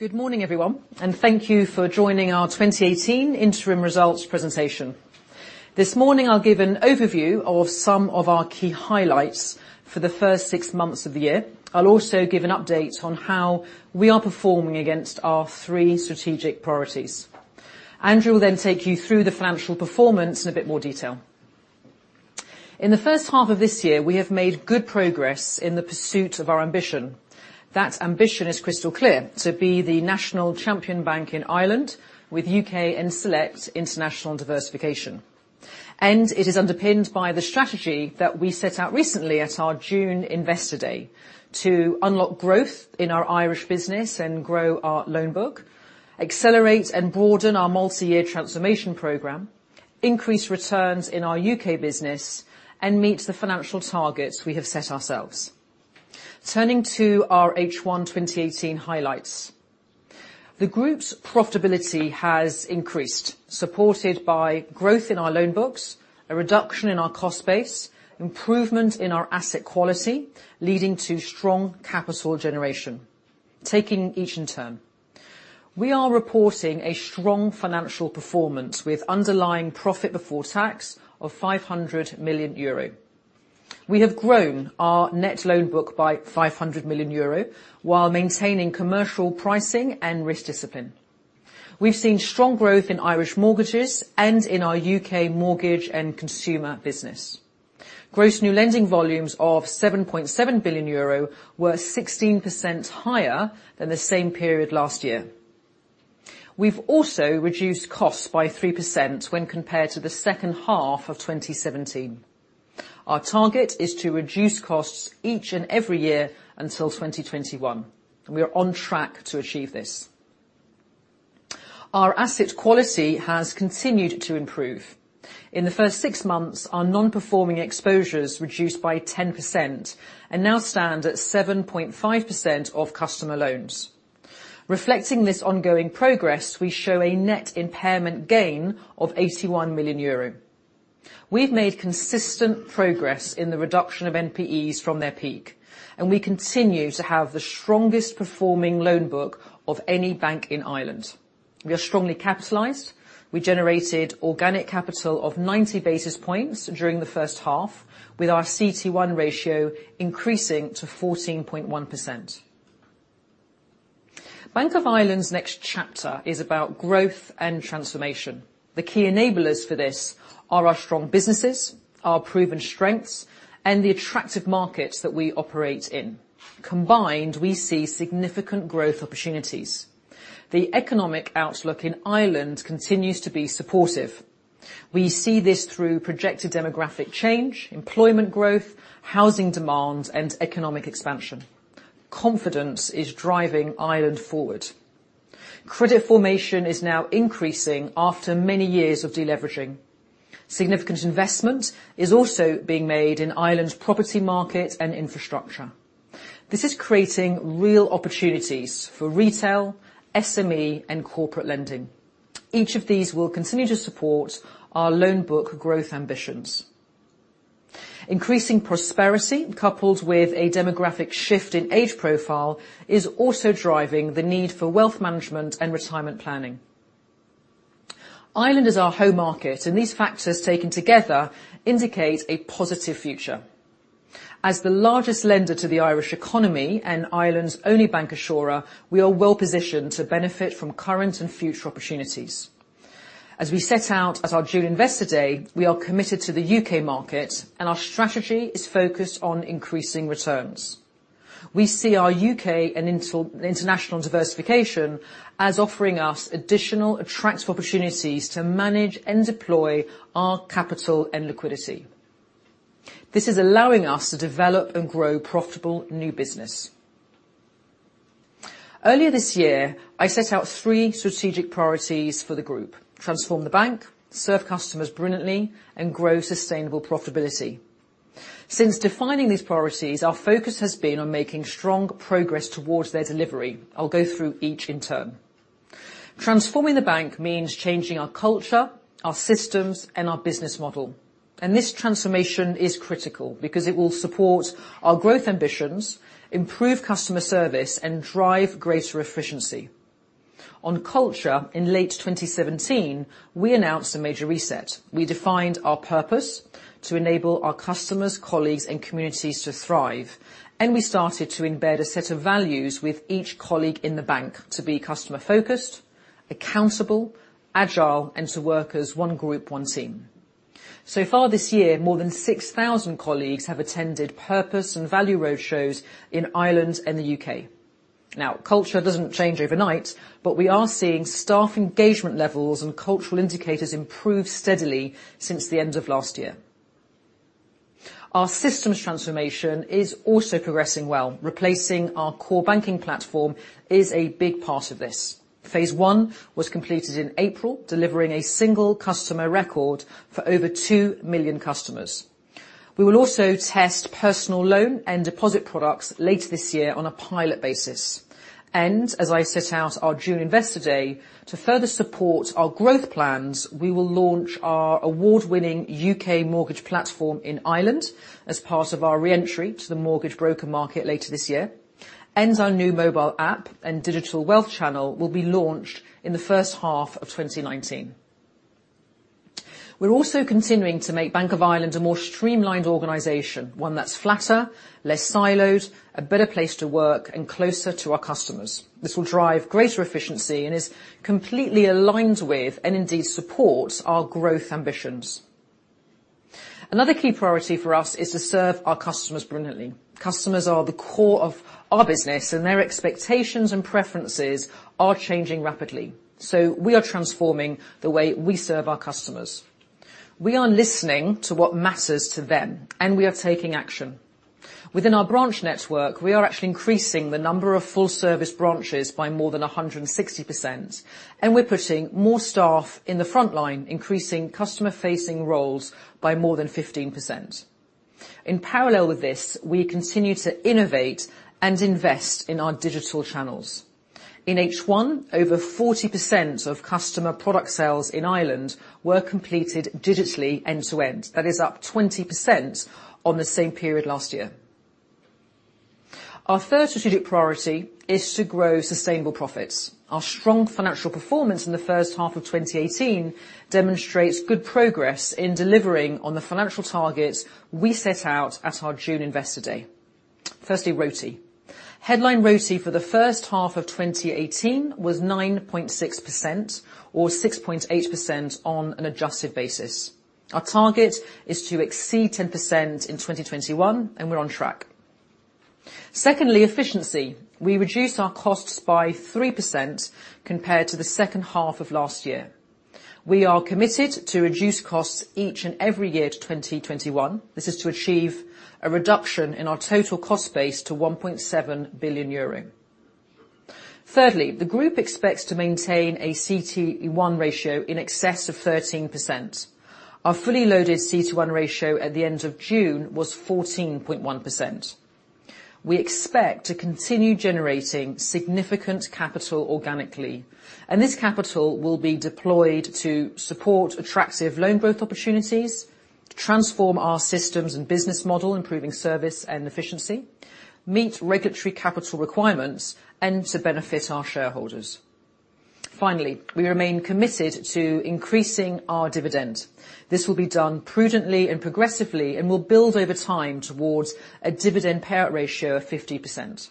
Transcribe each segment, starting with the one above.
Good morning, everyone, thank you for joining our 2018 interim results presentation. This morning, I'll give an overview of some of our key highlights for the first six months of the year. I'll also give an update on how we are performing against our three strategic priorities. Andrew will then take you through the financial performance in a bit more detail. In the first half of this year, we have made good progress in the pursuit of our ambition. That ambition is crystal clear, to be the national champion bank in Ireland, with U.K. and select international diversification. It is underpinned by the strategy that we set out recently at our June investor day to unlock growth in our Irish business and grow our loan book, accelerate and broaden our multi-year transformation program, increase returns in our U.K. business, and meet the financial targets we have set ourselves. Turning to our H1 2018 highlights. The group's profitability has increased, supported by growth in our loan books, a reduction in our cost base, improvement in our asset quality, leading to strong capital generation. Taking each in turn. We are reporting a strong financial performance with underlying profit before tax of 500 million euro. We have grown our net loan book by 500 million euro while maintaining commercial pricing and risk discipline. We've seen strong growth in Irish mortgages and in our U.K. mortgage and consumer business. Gross new lending volumes of 7.7 billion euro were 16% higher than the same period last year. We've also reduced costs by 3% when compared to the second half of 2017. Our target is to reduce costs each and every year until 2021. We are on track to achieve this. Our asset quality has continued to improve. In the first six months, our non-performing exposures reduced by 10% and now stand at 7.5% of customer loans. Reflecting this ongoing progress, we show a net impairment gain of 81 million euro. We've made consistent progress in the reduction of NPEs from their peak, and we continue to have the strongest performing loan book of any bank in Ireland. We are strongly capitalized. We generated organic capital of 90 basis points during the first half, with our CET1 ratio increasing to 14.1%. Bank of Ireland's next chapter is about growth and transformation. The key enablers for this are our strong businesses, our proven strengths, and the attractive markets that we operate in. Combined, we see significant growth opportunities. The economic outlook in Ireland continues to be supportive. We see this through projected demographic change, employment growth, housing demand, and economic expansion. Confidence is driving Ireland forward. Credit formation is now increasing after many years of deleveraging. Significant investment is also being made in Ireland's property market and infrastructure. This is creating real opportunities for Retail, SME, and corporate lending. Each of these will continue to support our loan book growth ambitions. Increasing prosperity, coupled with a demographic shift in age profile, is also driving the need for wealth management and retirement planning. Ireland is our home market, and these factors taken together indicate a positive future. As the largest lender to the Irish economy and Ireland's only bancassurer, we are well-positioned to benefit from current and future opportunities. As we set out at our June investor day, we are committed to the U.K. market, and our strategy is focused on increasing returns. We see our U.K. and international diversification as offering us additional attractive opportunities to manage and deploy our capital and liquidity. This is allowing us to develop and grow profitable new business. Earlier this year, I set out three strategic priorities for the group. Transform the bank, serve customers brilliantly, and grow sustainable profitability. Since defining these priorities, our focus has been on making strong progress towards their delivery. I'll go through each in turn. Transforming the bank means changing our culture, our systems, and our business model. This transformation is critical because it will support our growth ambitions, improve customer service, and drive greater efficiency. On culture, in late 2017, we announced a major reset. We defined our purpose to enable our customers, colleagues, and communities to thrive, and we started to embed a set of values with each colleague in the bank to be customer focused, accountable, agile, and to work as one group, one team. So far this year, more than 6,000 colleagues have attended purpose and value roadshows in Ireland and the U.K. Culture doesn't change overnight, but we are seeing staff engagement levels and cultural indicators improve steadily since the end of last year. Our systems transformation is also progressing well. Replacing our core banking platform is a big part of this. Phase 1 was completed in April, delivering a single customer record for over 2 million customers. We will also test personal loan and deposit products later this year on a pilot basis. As I set out our June investor day, to further support our growth plans, we will launch our award-winning U.K. mortgage platform in Ireland as part of our re-entry to the mortgage broker market later this year. Our new mobile app and digital wealth channel will be launched in the first half of 2019. We're also continuing to make Bank of Ireland a more streamlined organization, one that's flatter, less siloed, a better place to work, and closer to our customers. This will drive greater efficiency and is completely aligned with, and indeed supports, our growth ambitions. Another key priority for us is to serve our customers brilliantly. Customers are the core of our business, and their expectations and preferences are changing rapidly, so we are transforming the way we serve our customers. We are listening to what matters to them and we are taking action. Within our branch network, we are actually increasing the number of full-service branches by more than 160%, and we're putting more staff in the frontline, increasing customer-facing roles by more than 15%. In parallel with this, we continue to innovate and invest in our digital channels. In H1, over 40% of customer product sales in Ireland were completed digitally end to end. That is up 20% on the same period last year. Our third strategic priority is to grow sustainable profits. Our strong financial performance in the first half of 2018 demonstrates good progress in delivering on the financial targets we set out at our June Investor Day. Firstly, ROTE. Headline ROTE for the first half of 2018 was 9.6%, or 6.8% on an adjusted basis. Our target is to exceed 10% in 2021, and we're on track. Secondly, efficiency. We reduced our costs by 3% compared to the second half of last year. We are committed to reduce costs each and every year to 2021. This is to achieve a reduction in our total cost base to 1.7 billion euro. Thirdly, the group expects to maintain a CET1 ratio in excess of 13%. Our fully loaded CET1 ratio at the end of June was 14.1%. This capital will be deployed to support attractive loan growth opportunities, to transform our systems and business model, improving service and efficiency, meet regulatory capital requirements, and to benefit our shareholders. Finally, we remain committed to increasing our dividend. This will be done prudently and progressively and will build over time towards a dividend payout ratio of 50%.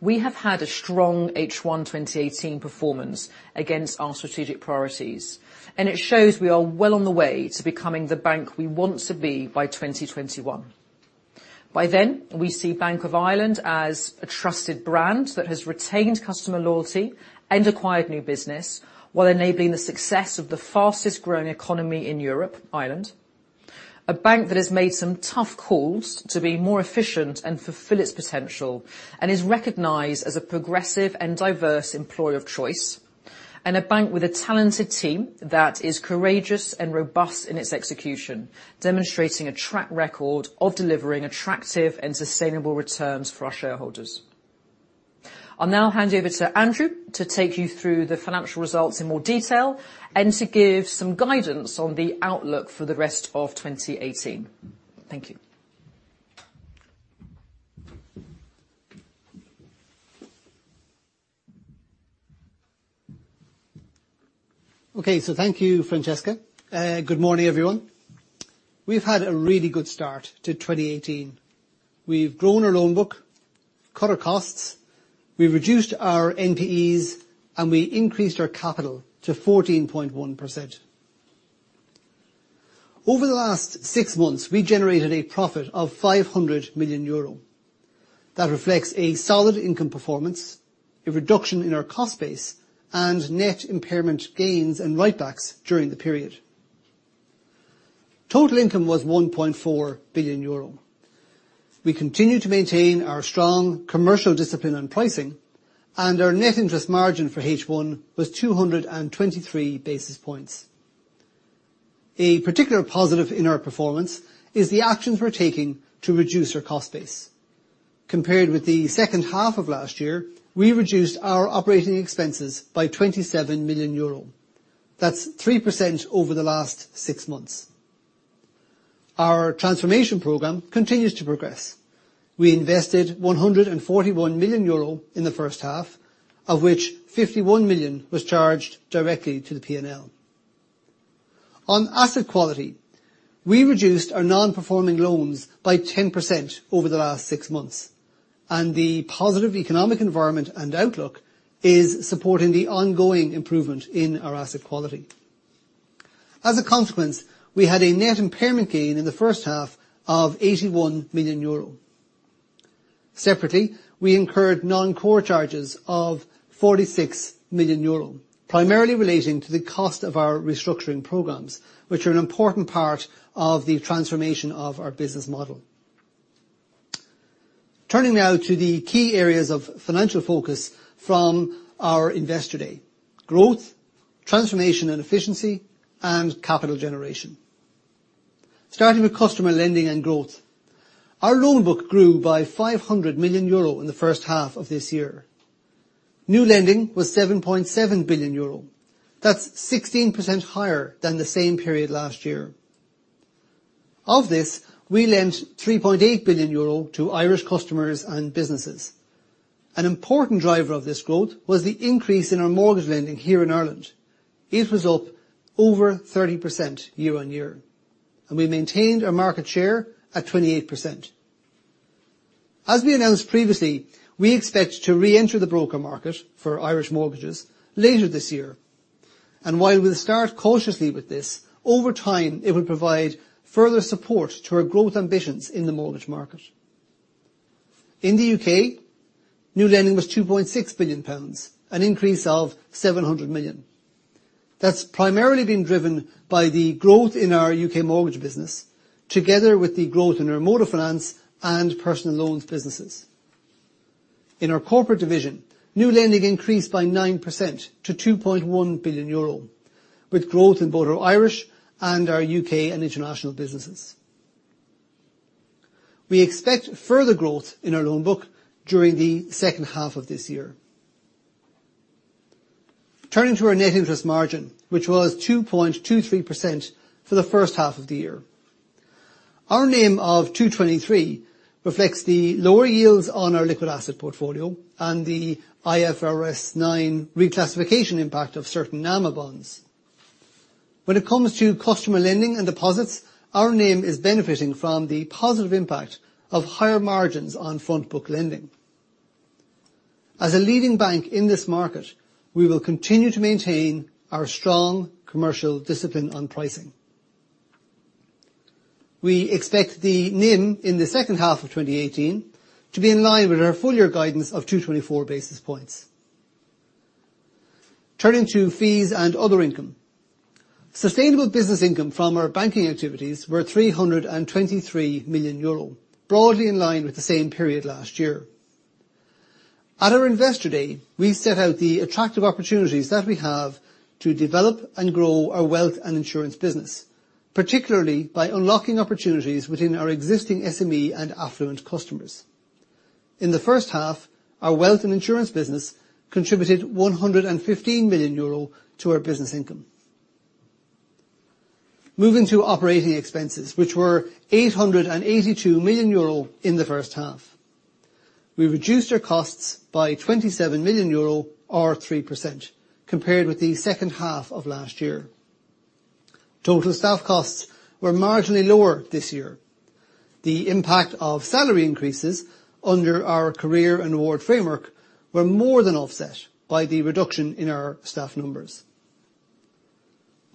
We have had a strong H1 2018 performance against our strategic priorities, and it shows we are well on the way to becoming the bank we want to be by 2021. By then, we see Bank of Ireland as a trusted brand that has retained customer loyalty and acquired new business while enabling the success of the fastest-growing economy in Europe, Ireland. A bank that has made some tough calls to be more efficient and fulfill its potential and is recognized as a progressive and diverse employer of choice. A bank with a talented team that is courageous and robust in its execution, demonstrating a track record of delivering attractive and sustainable returns for our shareholders. I'll now hand you over to Andrew to take you through the financial results in more detail and to give some guidance on the outlook for the rest of 2018. Thank you. Okay. Thank you, Francesca. Good morning, everyone. We've had a really good start to 2018. We've grown our loan book, cut our costs, we reduced our NPEs, and we increased our capital to 14.1%. Over the last six months, we generated a profit of 500 million euro. That reflects a solid income performance, a reduction in our cost base, and net impairment gains and write-backs during the period. Total income was 1.4 billion euro. We continue to maintain our strong commercial discipline on pricing, and our net interest margin for H1 was 223 basis points. A particular positive in our performance is the actions we're taking to reduce our cost base. Compared with the second half of last year, we reduced our operating expenses by 27 million euro. That's 3% over the last six months. Our transformation program continues to progress. We invested 141 million euro in the first half, of which 51 million was charged directly to the P&L. On asset quality, we reduced our non-performing loans by 10% over the last six months. The positive economic environment and outlook is supporting the ongoing improvement in our asset quality. As a consequence, we had a net impairment gain in the first half of 81 million euro. Separately, we incurred non-core charges of 46 million euro, primarily relating to the cost of our restructuring programs, which are an important part of the transformation of our business model. Turning now to the key areas of financial focus from our Investor Day: growth, transformation and efficiency, and capital generation. Starting with customer lending and growth. Our loan book grew by 500 million euro in the first half of this year. New lending was 7.7 billion euro. That's 16% higher than the same period last year. Of this, we lent 3.8 billion euro to Irish customers and businesses. An important driver of this growth was the increase in our mortgage lending here in Ireland. It was up over 30% year-on-year, and we maintained our market share at 28%. As we announced previously, we expect to re-enter the broker market for Irish mortgages later this year. While we'll start cautiously with this, over time, it will provide further support to our growth ambitions in the mortgage market. In the U.K., new lending was 2.6 billion pounds, an increase of 700 million. That's primarily been driven by the growth in our U.K. mortgage business, together with the growth in our motor finance and personal loans businesses. In our corporate division, new lending increased by 9% to 2.1 billion euro, with growth in both our Irish and our U.K. and international businesses. We expect further growth in our loan book during the second half of this year. Turning to our net interest margin, which was 2.23% for the first half of the year. Our NIM of 223 basis points reflects the lower yields on our liquid asset portfolio and the IFRS 9 reclassification impact of certain NAMA bonds. When it comes to customer lending and deposits, our NIM is benefiting from the positive impact of higher margins on front book lending. As a leading bank in this market, we will continue to maintain our strong commercial discipline on pricing. We expect the NIM in the second half of 2018 to be in line with our full year guidance of 224 basis points. Turning to fees and other income. Sustainable business income from our banking activities were 323 million euro, broadly in line with the same period last year. At our Investor Day, we set out the attractive opportunities that we have to develop and grow our wealth and insurance business, particularly by unlocking opportunities within our existing SME and affluent customers. In the first half, our wealth and insurance business contributed 115 million euro to our business income. Moving to operating expenses, which were 882 million euro in the first half. We reduced our costs by 27 million euro, or 3%, compared with the second half of last year. Total staff costs were marginally lower this year. The impact of salary increases under our Career and Reward Framework were more than offset by the reduction in our staff numbers.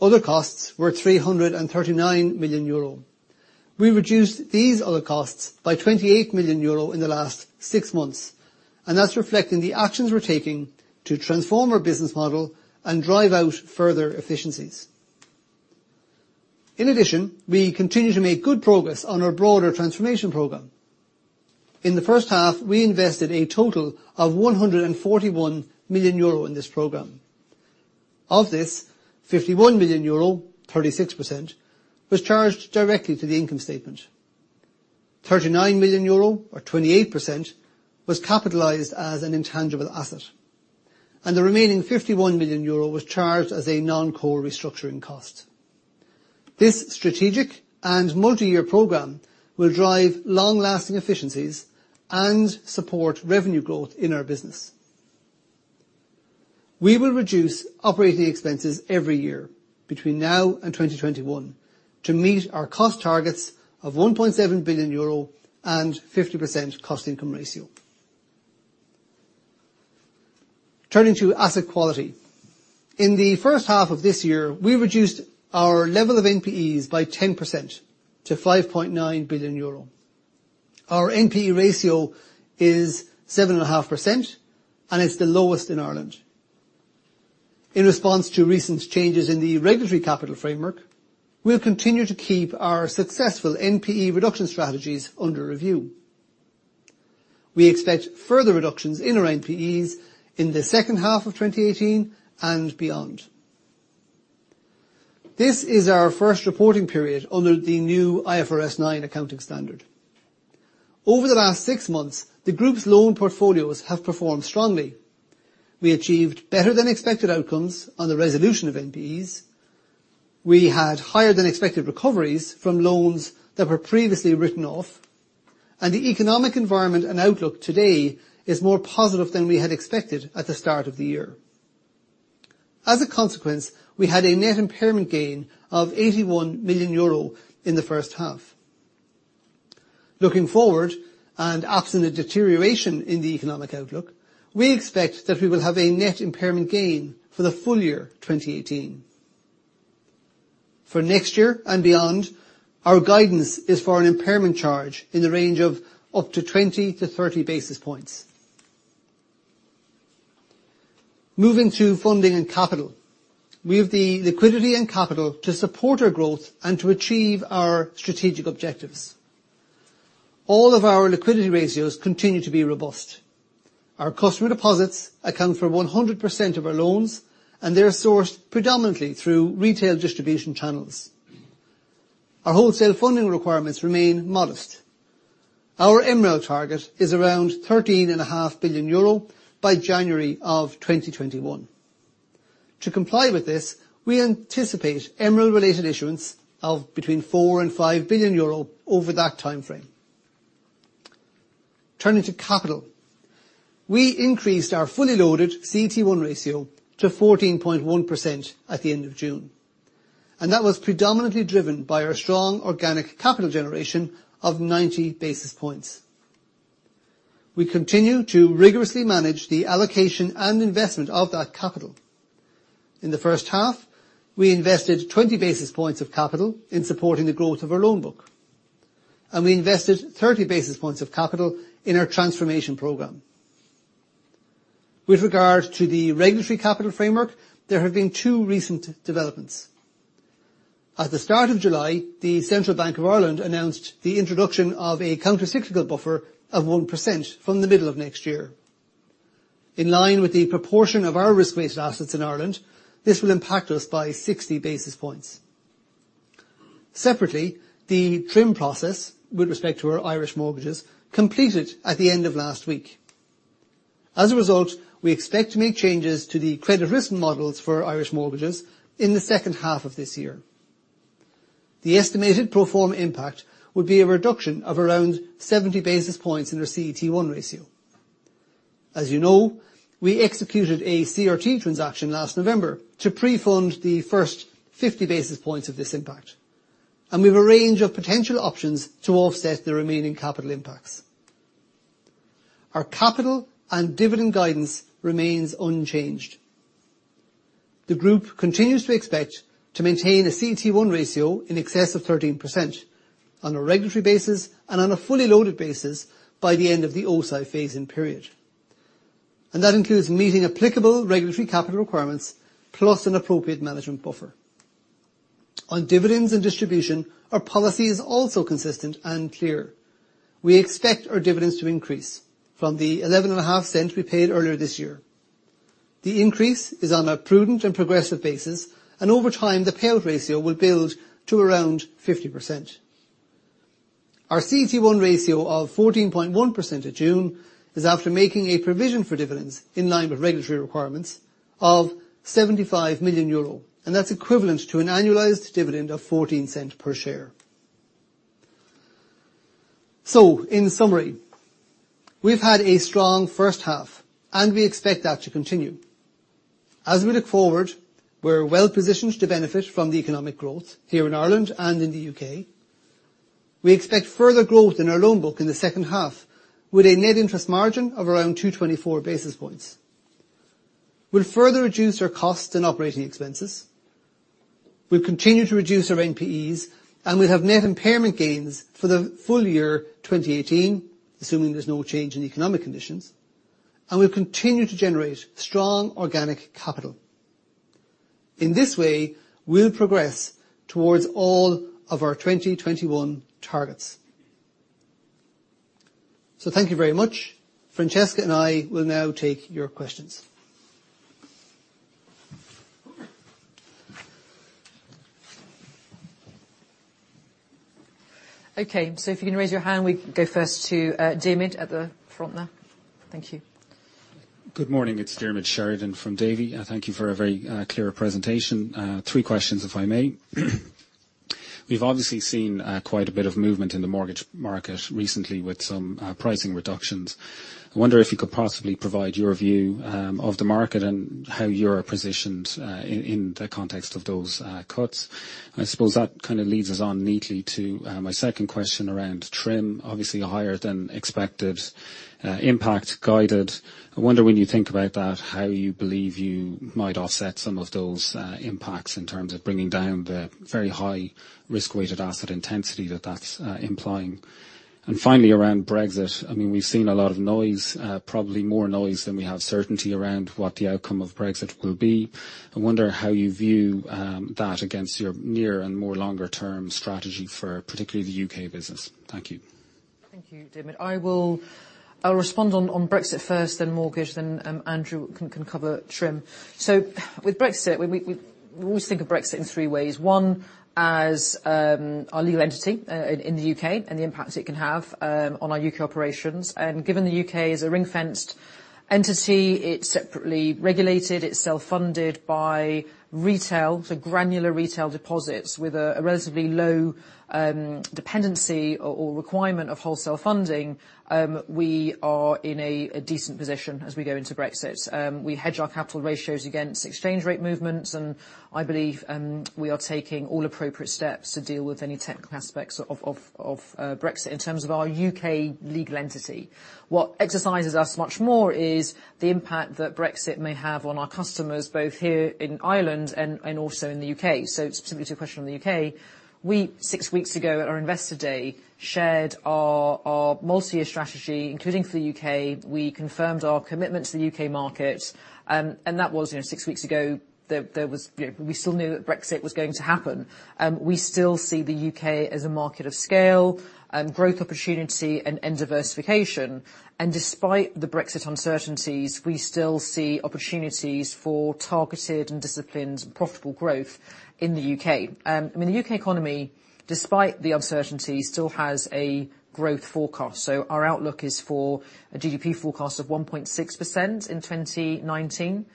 Other costs were 339 million euro. We reduced these other costs by 28 million euro in the last six months, that's reflecting the actions we're taking to transform our business model and drive out further efficiencies. In addition, we continue to make good progress on our broader transformation program. In the first half, we invested a total of 141 million euro in this program. Of this, 51 million euro, 36%, was charged directly to the income statement, 39 million euro, or 28%, was capitalized as an intangible asset, and the remaining 51 million euro was charged as a non-core restructuring cost. This strategic and multi-year program will drive long-lasting efficiencies and support revenue growth in our business. We will reduce operating expenses every year between now and 2021 to meet our cost targets of 1.7 billion euro and 50% cost-income ratio. Turning to asset quality. In the first half of this year, we reduced our level of NPEs by 10% to 5.9 billion euro. Our NPE ratio is 7.5%, and it's the lowest in Ireland. In response to recent changes in the regulatory capital framework, we'll continue to keep our successful NPE reduction strategies under review. We expect further reductions in our NPEs in the second half of 2018 and beyond. This is our first reporting period under the new IFRS 9 accounting standard. Over the last six months, the group's loan portfolios have performed strongly. We achieved better than expected outcomes on the resolution of NPEs. We had higher than expected recoveries from loans that were previously written off, and the economic environment and outlook today is more positive than we had expected at the start of the year. As a consequence, we had a net impairment gain of EUR 81 million in the first half. Looking forward, absent a deterioration in the economic outlook, we expect that we will have a net impairment gain for the full year 2018. For next year and beyond, our guidance is for an impairment charge in the range of up to 20 to 30 basis points. Moving to funding and capital, we have the liquidity and capital to support our growth and to achieve our strategic objectives. All of our liquidity ratios continue to be robust. Our customer deposits account for 100% of our loans, and they are sourced predominantly through retail distribution channels. Our wholesale funding requirements remain modest. Our MREL target is around EUR 13.5 billion by January of 2021. To comply with this, we anticipate MREL-related issuance of between 4 billion and 5 billion euro over that timeframe. Turning to capital, we increased our fully loaded CET1 ratio to 14.1% at the end of June, that was predominantly driven by our strong organic capital generation of 90 basis points. We continue to rigorously manage the allocation and investment of that capital. In the first half, we invested 20 basis points of capital in supporting the growth of our loan book, and we invested 30 basis points of capital in our transformation program. With regard to the regulatory capital framework, there have been two recent developments. At the start of July, the Central Bank of Ireland announced the introduction of a countercyclical buffer of 1% from the middle of next year. In line with the proportion of our risk-weighted assets in Ireland, this will impact us by 60 basis points. Separately, the TRIM process, with respect to our Irish mortgages, completed at the end of last week. As a result, we expect to make changes to the credit risk models for Irish mortgages in the second half of this year. The estimated pro forma impact would be a reduction of around 70 basis points in our CET1 ratio. As you know, we executed a CRT transaction last November to pre-fund the first 50 basis points of this impact, and we've a range of potential options to offset the remaining capital impacts. Our capital and dividend guidance remains unchanged. The group continues to expect to maintain a CET1 ratio in excess of 13% on a regulatory basis and on a fully loaded basis by the end of the O-SII phase-in period. That includes meeting applicable regulatory capital requirements, plus an appropriate management buffer. On dividends and distribution, our policy is also consistent and clear. We expect our dividends to increase from the 0.115 we paid earlier this year. The increase is on a prudent and progressive basis, and over time, the payout ratio will build to around 50%. Our CET1 ratio of 14.1% at June is after making a provision for dividends in line with regulatory requirements of 75 million euro, and that's equivalent to an annualized dividend of 0.14 per share. In summary, we've had a strong first half, and we expect that to continue. As we look forward, we're well-positioned to benefit from the economic growth here in Ireland and in the U.K. We expect further growth in our loan book in the second half, with a net interest margin of around 224 basis points. We'll further reduce our costs and operating expenses, we'll continue to reduce our NPEs, and we'll have net impairment gains for the full year 2018, assuming there's no change in economic conditions, and we'll continue to generate strong organic capital. In this way, we'll progress towards all of our 2021 targets. Thank you very much. Francesca and I will now take your questions. Okay. If you can raise your hand, we go first to Diarmaid at the front there. Thank you. Good morning. It's Diarmaid Sheridan from Davy, and thank you for a very clear presentation. Three questions, if I may. We've obviously seen quite a bit of movement in the mortgage market recently with some pricing reductions. I wonder if you could possibly provide your view of the market and how you're positioned, in the context of those cuts. I suppose that kind of leads us on neatly to my second question around TRIM. Obviously, a higher than expected impact guided. I wonder when you think about that, how you believe you might offset some of those impacts in terms of bringing down the very high risk-weighted asset intensity that that's implying. And finally, around Brexit, I mean, we've seen a lot of noise, probably more noise than we have certainty around what the outcome of Brexit will be. I wonder how you view that against your near and more longer-term strategy for particularly the U.K. business. Thank you. Thank you, Diarmaid. I'll respond on Brexit first, then mortgage, then Andrew can cover TRIM. With Brexit, we always think of Brexit in three ways. One, as our legal entity, in the U.K., and the impact it can have on our U.K. operations. Given the U.K. is a ring-fenced entity, it's separately regulated, it's self-funded by retail, granular retail deposits with a relatively low dependency or requirement of wholesale funding, we are in a decent position as we go into Brexit. We hedge our capital ratios against exchange rate movements, I believe we are taking all appropriate steps to deal with any technical aspects of Brexit in terms of our U.K. legal entity. What exercises us much more is the impact that Brexit may have on our customers, both here in Ireland and also in the U.K. Specifically to your question on the U.K., we six weeks ago at our investor day, shared our multi-year strategy, including for the U.K. We confirmed our commitment to the U.K. market. That was six weeks ago. We still knew that Brexit was going to happen. We still see the U.K. as a market of scale, growth opportunity, and diversification. Despite the Brexit uncertainties, we still see opportunities for targeted and disciplined profitable growth in the U.K. I mean, the U.K. economy, despite the uncertainty, still has a growth forecast. Our outlook is for a GDP forecast of 1.6% in 2019.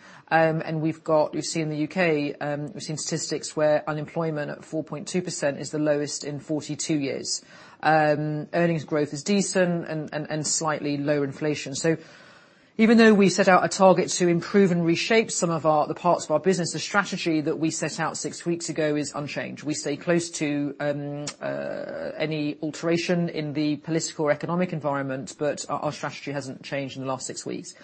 You've seen the U.K., we've seen statistics where unemployment at 4.2% is the lowest in 42 years. Earnings growth is decent and slightly lower inflation. Even though we set out a target to improve and reshape some of the parts of our business, the strategy that we set out six weeks ago is unchanged. We stay close to any alteration in the political or economic environment, but our strategy hasn't changed in the last six weeks.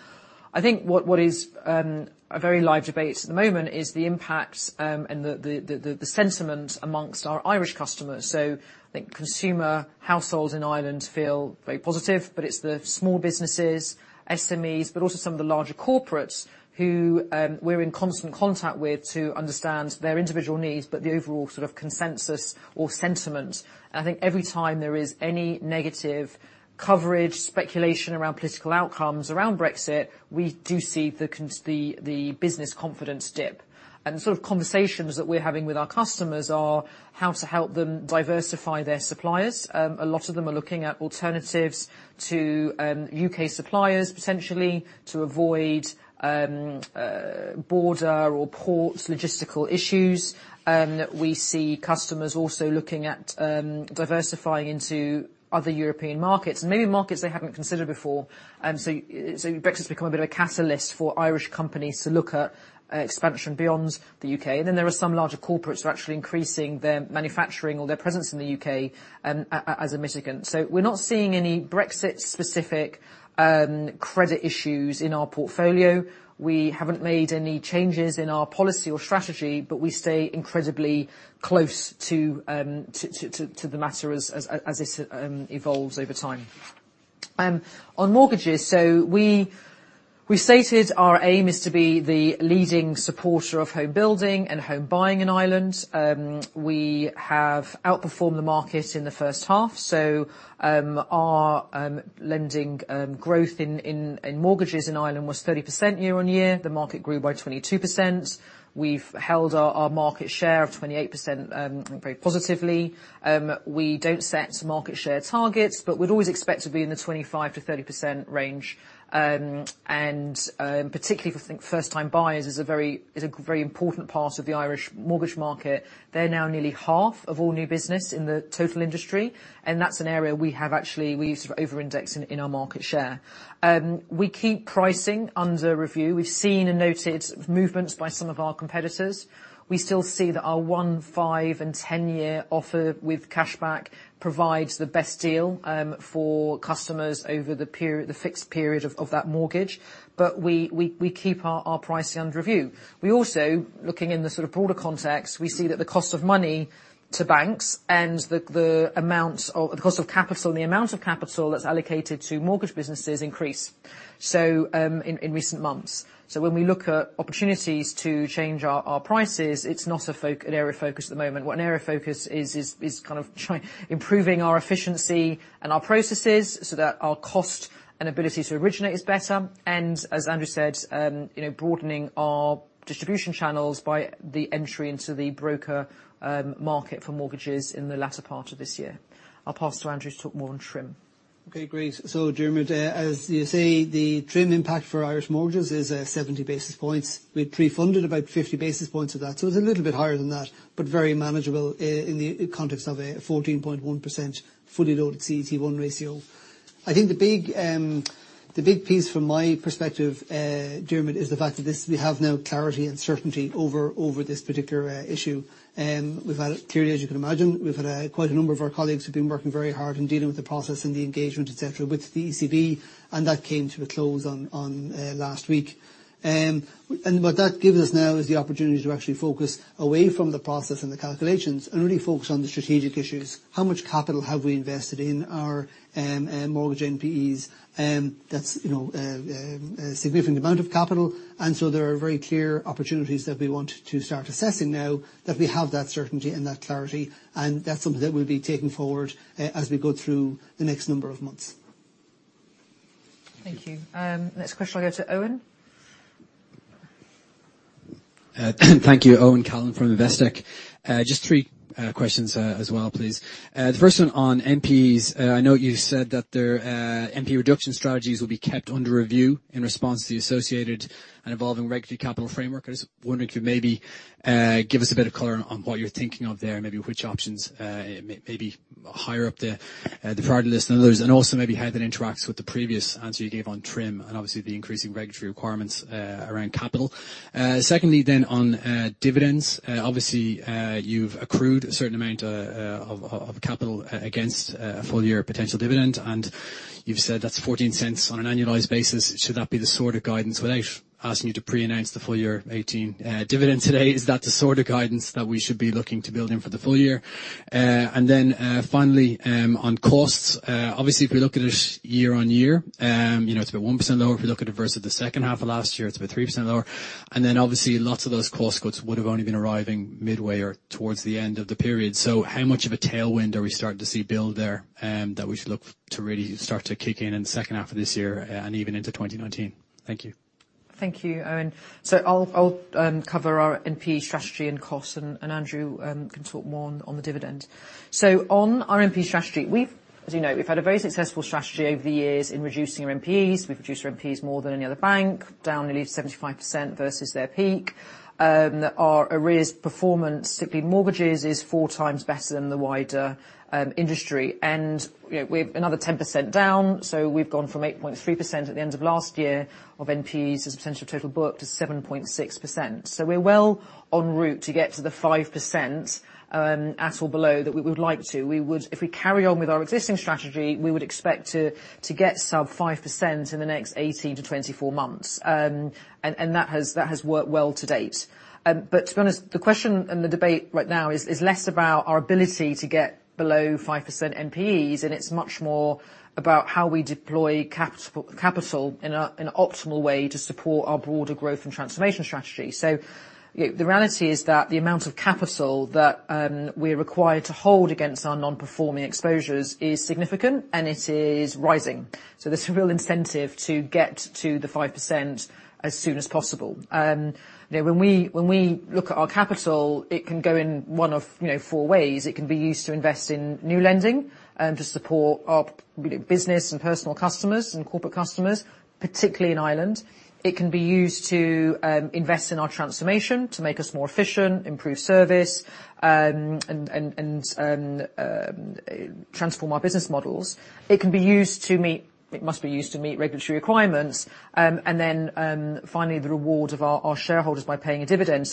I think what is a very live debate at the moment is the impact and the sentiment amongst our Irish customers. I think consumer households in Ireland feel very positive, but it's the small businesses, SMEs, but also some of the larger corporates who we're in constant contact with to understand their individual needs, but the overall sort of consensus or sentiment. I think every time there is any negative coverage, speculation around political outcomes, around Brexit, we do see the business confidence dip. The sort of conversations that we're having with our customers are how to help them diversify their suppliers. A lot of them are looking at alternatives to U.K. suppliers, potentially to avoid border or ports logistical issues. We see customers also looking at diversifying into other European markets, and maybe markets they haven't considered before. Brexit's become a bit of a catalyst for Irish companies to look at expansion beyond the U.K. There are some larger corporates who are actually increasing their manufacturing or their presence in the U.K. as a mitigant. We're not seeing any Brexit-specific credit issues in our portfolio. We haven't made any changes in our policy or strategy, but we stay incredibly close to the matter as it evolves over time. On mortgages, we stated our aim is to be the leading supporter of home building and home buying in Ireland. We have outperformed the market in the first half. Our lending growth in mortgages in Ireland was 30% year-on-year. The market grew by 22%. We've held our market share of 28%, I think, very positively. We don't set market share targets, but we'd always expect to be in the 25%-30% range. Particularly for first-time buyers is a very important part of the Irish mortgage market. They're now nearly half of all new business in the total industry, and that's an area we have actually, we sort of over-indexed in our market share. We keep pricing under review. We've seen and noted movements by some of our competitors. We still see that our one, five, and 10-year offer with cashback provides the best deal for customers over the fixed period of that mortgage. We keep our pricing under review. We also, looking in the sort of broader context, we see that the cost of money to banks and the cost of capital and the amount of capital that's allocated to mortgage businesses increase in recent months. When we look at opportunities to change our prices, it's not an area of focus at the moment. What an area of focus is kind of improving our efficiency and our processes so that our cost and ability to originate is better, and as Andrew said, broadening our distribution channels by the entry into the broker market for mortgages in the latter part of this year. I'll pass to Andrew to talk more on TRIM. Okay, great. Diarmaid, as you say, the TRIM impact for Irish mortgages is 70 basis points. We'd pre-funded about 50 basis points of that, it's a little bit higher than that, but very manageable in the context of a 14.1% fully loaded CET1 ratio. I think the big piece from my perspective, Diarmaid, is the fact that we have now clarity and certainty over this particular issue. Clearly, as you can imagine, we've had quite a number of our colleagues who've been working very hard in dealing with the process and the engagement, et cetera, with the ECB, and that came to a close last week. What that gives us now is the opportunity to actually focus away from the process and the calculations and really focus on the strategic issues. How much capital have we invested in our mortgage NPEs? That's a significant amount of capital. There are very clear opportunities that we want to start assessing now that we have that certainty and that clarity. That's something that we'll be taking forward as we go through the next number of months. Thank you. Next question will go to Owen. Thank you. Owen Callan from Investec. Just three questions as well, please. The first one on NPEs. I note you said that the NPE reduction strategies will be kept under review in response to the associated and evolving regulatory capital framework. I was wondering if you'd maybe give us a bit of color on what you're thinking of there, and maybe which options may be higher up the priority list than others. Also maybe how that interacts with the previous answer you gave on TRIM and obviously the increasing regulatory requirements around capital. Secondly on dividends. Obviously, you've accrued a certain amount of capital against a full year potential dividend, and you've said that's 0.14 on an annualized basis. Should that be the sort of guidance, without asking you to preannounce the full year 2018 dividend today, is that the sort of guidance that we should be looking to build in for the full year? Finally, on costs. Obviously, if we look at it year-on-year, it's about 1% lower. If we look at it versus the second half of last year, it's about 3% lower. Obviously lots of those cost cuts would have only been arriving midway or towards the end of the period. How much of a tailwind are we starting to see build there that we should look to really start to kick in the second half of this year and even into 2019? Thank you. Thank you, Owen. I'll cover our NPE strategy and costs, Andrew can talk more on the dividend. On our NPE strategy, as you know, we've had a very successful strategy over the years in reducing our NPEs. We've reduced our NPEs more than any other bank, down nearly 75% versus their peak. Our arrears performance, simply mortgages, is four times better than the wider industry. We have another 10% down. We've gone from 8.3% at the end of last year of NPEs as a potential total book to 7.6%. We're well on route to get to the 5% at or below that we would like to. If we carry on with our existing strategy, we would expect to get sub 5% in the next 18 to 24 months. That has worked well to date. To be honest, the question and the debate right now is less about our ability to get below 5% NPEs, and it's much more about how we deploy capital in an optimal way to support our broader growth and transformation strategy. The reality is that the amount of capital that we're required to hold against our non-performing exposures is significant, and it is rising. There's a real incentive to get to the 5% as soon as possible. When we look at our capital, it can go in one of four ways. It can be used to invest in new lending to support our business and personal customers and corporate customers, particularly in Ireland. It can be used to invest in our transformation to make us more efficient, improve service, and transform our business models. It must be used to meet regulatory requirements, and then finally, the reward of our shareholders by paying a dividend.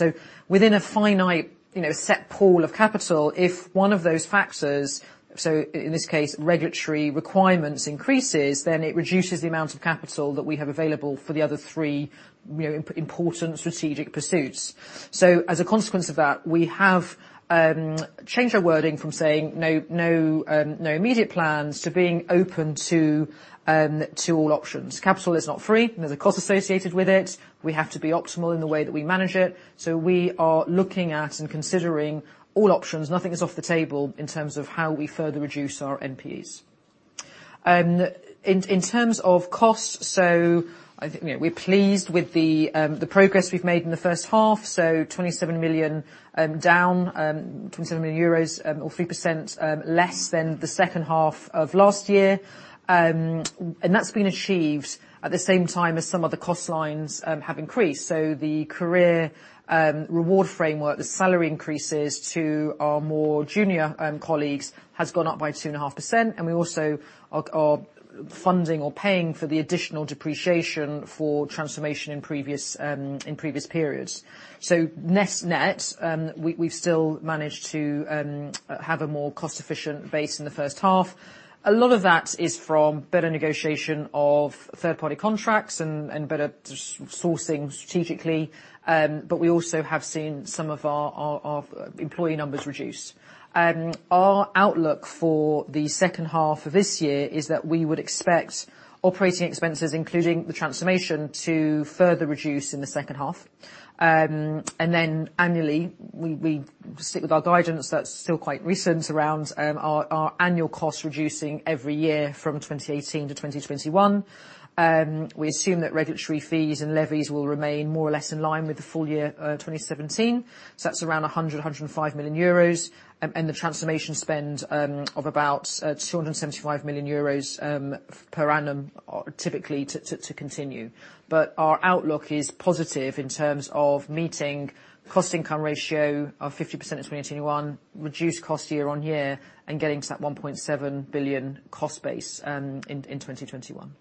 Within a finite set pool of capital, if one of those factors, so in this case, regulatory requirements increases, then it reduces the amount of capital that we have available for the other three important strategic pursuits. As a consequence of that, we have changed our wording from saying no immediate plans to being open to all options. Capital is not free, and there's a cost associated with it. We have to be optimal in the way that we manage it. We are looking at and considering all options. Nothing is off the table in terms of how we further reduce our NPEs. In terms of cost, I think we're pleased with the progress we've made in the first half. €27 million down, or 3% less than the second half of last year. That's been achieved at the same time as some of the cost lines have increased. The Career and Reward Framework, the salary increases to our more junior colleagues, has gone up by 2.5%, and we also are funding or paying for the additional depreciation for transformation in previous periods. Net-net, we've still managed to have a more cost-efficient base in the first half. A lot of that is from better negotiation of third party contracts and better sourcing strategically. We also have seen some of our employee numbers reduce. Our outlook for the second half of this year is that we would expect operating expenses, including the transformation, to further reduce in the second half. Annually, we stick with our guidance that's still quite recent around our annual costs reducing every year from 2018 to 2021. We assume that regulatory fees and levies will remain more or less in line with the full year 2017. That's around 100 million-105 million euros, and the transformation spend of about 275 million euros per annum, typically to continue. Our outlook is positive in terms of meeting cost income ratio of 50% in 2021, reduce cost year-on-year, and getting to that 1.7 billion cost base in 2021.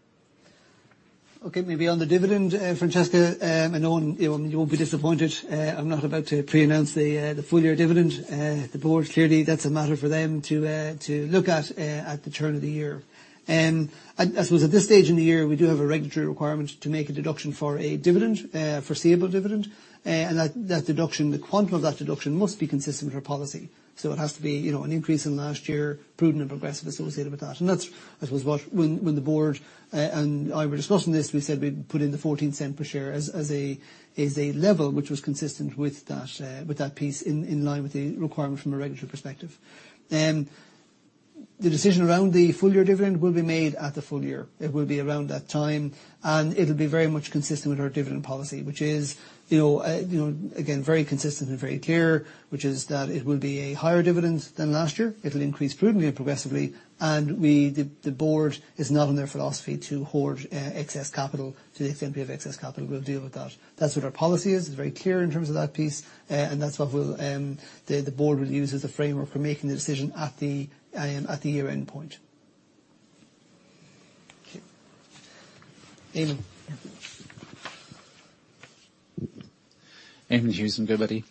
Okay. Maybe on the dividend, Francesca, I know you won't be disappointed. I'm not about to pre-announce the full year dividend. The board, clearly, that's a matter for them to look at at the turn of the year. I suppose at this stage in the year, we do have a regulatory requirement to make a deduction for a foreseeable dividend. That deduction, the quantum of that deduction must be consistent with our policy. It has to be an increase in last year, prudent and progressive associated with that. That's I suppose what when the board and I were discussing this, we said we'd put in the 0.14 per share as a level which was consistent with that piece in line with the requirement from a regulatory perspective. The decision around the full year dividend will be made at the full year. It will be around that time, it'll be very much consistent with our dividend policy, which is again, very consistent and very clear, which is that it will be a higher dividend than last year. It'll increase prudently and progressively. The board is not in their philosophy to hoard excess capital. To the extent we have excess capital, we'll deal with that. That's what our policy is. It's very clear in terms of that piece, that's what the board will use as a framework for making the decision at the year-end point. Okay. Eamonn. Eamonn Hughes from Goodbody.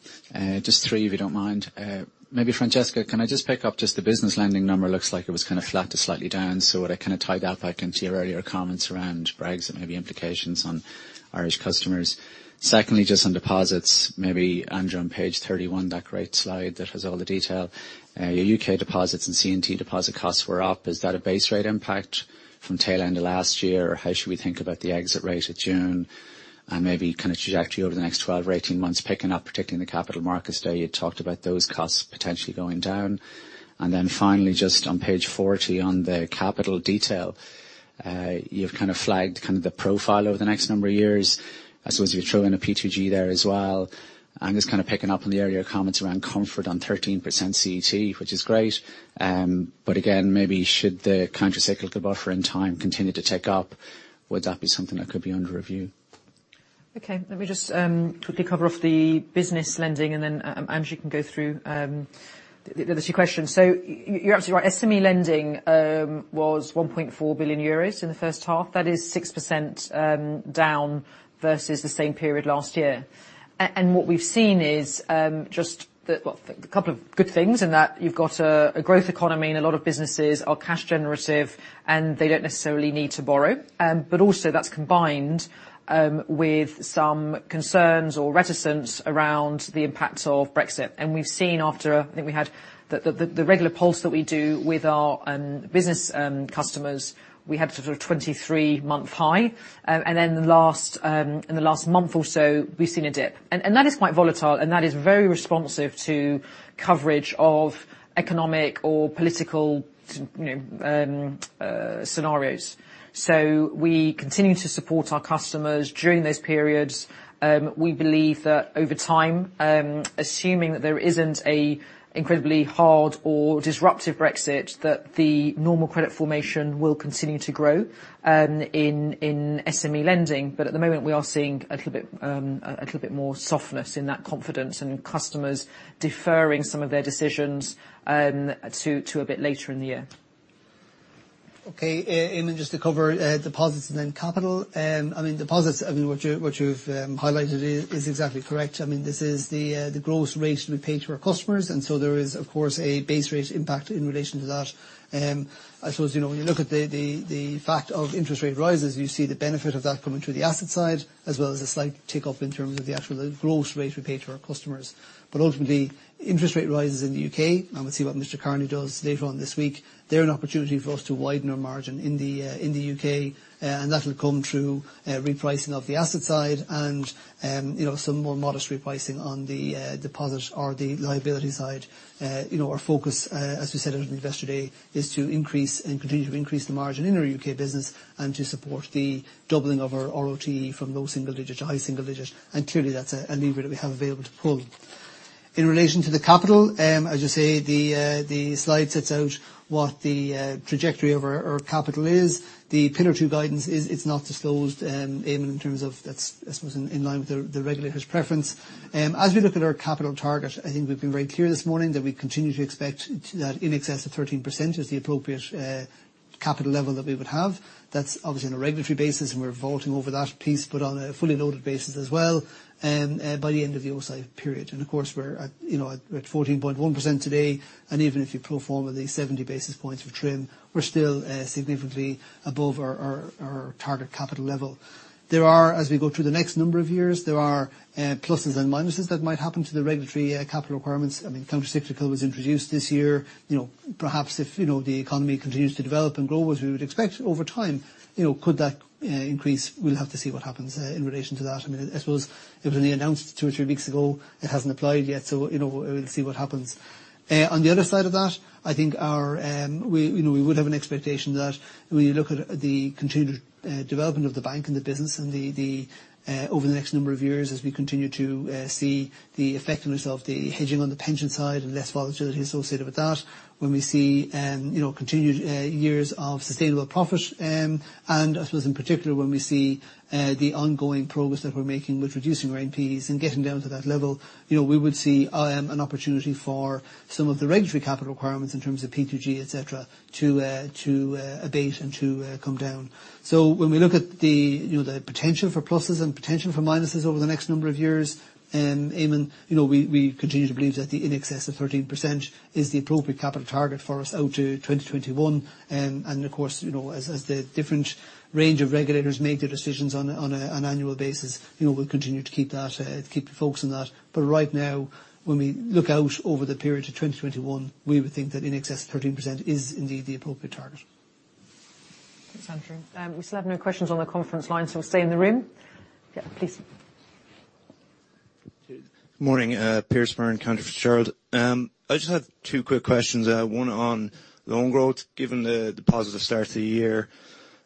Just three, if you don't mind. Maybe Francesca, can I just pick up just the business lending number? Looks like it was kind of flat to slightly down. Would I kind of tie that back into your earlier comments around Brexit and maybe implications on Irish customers. Secondly, just on deposits, maybe Andrew, on page 31, that great slide that has all the detail. Your U.K. deposits and C&T deposit costs were up. Is that a base rate impact from tail end of last year, or how should we think about the exit rate at June, and maybe kind of trajectory over the next 12 or 18 months picking up, particularly in the capital markets day, you talked about those costs potentially going down. Finally, just on page 40 on the capital detail. You've flagged the profile over the next number of years. I suppose you throw in a P2G there as well. I'm just picking up on the earlier comments around comfort on 13% CET1, which is great. Again, maybe should the countercyclical buffer and TRIM continue to tick up, would that be something that could be under review? Okay. Let me just quickly cover off the business lending, then Andrew can go through the other two questions. You're absolutely right. SME lending was 1.4 billion euros in the first half. That is 6% down versus the same period last year. What we've seen is just the Well, a couple of good things, in that you've got a growth economy and a lot of businesses are cash generative, and they don't necessarily need to borrow. Also that's combined with some concerns or reticence around the impact of Brexit. We've seen after, I think we had the regular pulse that we do with our business customers, we had sort of a 23-month high. Then in the last month or so, we've seen a dip. That is quite volatile, and that is very responsive to coverage of economic or political scenarios. We continue to support our customers during those periods. We believe that over time, assuming that there isn't a incredibly hard or disruptive Brexit, that the normal credit formation will continue to grow in SME lending. At the moment, we are seeing a little bit more softness in that confidence, and customers deferring some of their decisions to a bit later in the year. Okay. Eamonn, just to cover deposits and then capital. I mean, deposits, what you've highlighted is exactly correct. This is the gross rate we pay to our customers, there is, of course, a base rate impact in relation to that. I suppose when you look at the fact of interest rate rises, you see the benefit of that coming through the asset side, as well as a slight tick up in terms of the actual gross rate we pay to our customers. Ultimately, interest rate rises in the U.K., and we'll see what Mr. Carney does later on this week, they're an opportunity for us to widen our margin in the U.K. That'll come through repricing of the asset side and some more modest repricing on the deposit or the liability side. Our focus, as we said at Investor Day, is to increase and continue to increase the margin in our U.K. business, to support the doubling of our ROTE from low single digit to high single digit. Clearly, that's a lever that we have available to pull. In relation to the capital, as you say, the slide sets out what the trajectory of our capital is. The Pillar 2 guidance is it's not disclosed, Eamonn, in terms of that's, I suppose, in line with the regulator's preference. As we look at our capital target, I think we've been very clear this morning that we continue to expect that in excess of 13% is the appropriate capital level that we would have. That's obviously on a regulatory basis, and we're vaulting over that piece, but on a fully loaded basis as well, by the end of the O-SII period. Of course, we're at 14.1% today. Even if you pro forma the 70 basis points of TRIM, we're still significantly above our target capital level. As we go through the next number of years, there are pluses and minuses that might happen to the regulatory capital requirements. I mean, countercyclical was introduced this year. Perhaps if the economy continues to develop and grow as we would expect over time, could that increase? We'll have to see what happens in relation to that. I suppose it was only announced two or three weeks ago. It hasn't applied yet, we'll see what happens. On the other side of that, I think we would have an expectation that when you look at the continued development of the bank and the business over the next number of years, as we continue to see the effectiveness of the hedging on the pension side and less volatility associated with that, when we see continued years of sustainable profit, and I suppose in particular, when we see the ongoing progress that we're making with reducing our NPEs and getting down to that level. We would see an opportunity for some of the regulatory capital requirements in terms of P2G, et cetera, to abate and to come down. When we look at the potential for pluses and potential for minuses over the next number of years, Eamonn, we continue to believe that the in excess of 13% is the appropriate capital target for us out to 2021. Of course, as the different range of regulators make their decisions on an annual basis, we'll continue to keep focused on that. Right now, when we look out over the period to 2021, we would think that in excess of 13% is indeed the appropriate target. Thanks, Andrew. We still have no questions on the conference line, we'll stay in the room. Yeah, please. Morning. Piers Marron, Cantor Fitzgerald. I just have two quick questions. One on loan growth. Given the positive start to the year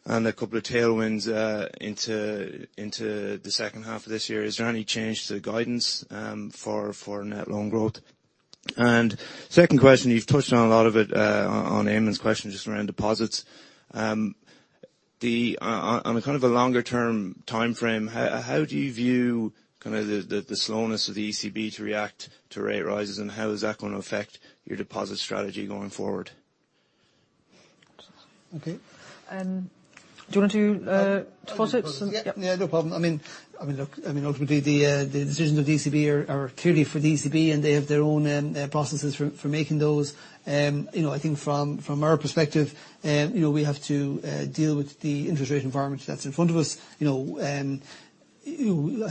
and a couple of tailwinds into the second half of this year, is there any change to the guidance for net loan growth? Second question, you've touched on a lot of it on Eamonn's question just around deposits. On a kind of a longer term timeframe, how do you view the slowness of the ECB to react to rate rises, and how is that going to affect your deposit strategy going forward? Okay. Do you want to deposits? Yeah, no problem. I mean, look, ultimately the decisions of the ECB are clearly for the ECB, they have their own processes for making those. I think from our perspective, we have to deal with the interest rate environment that's in front of us. I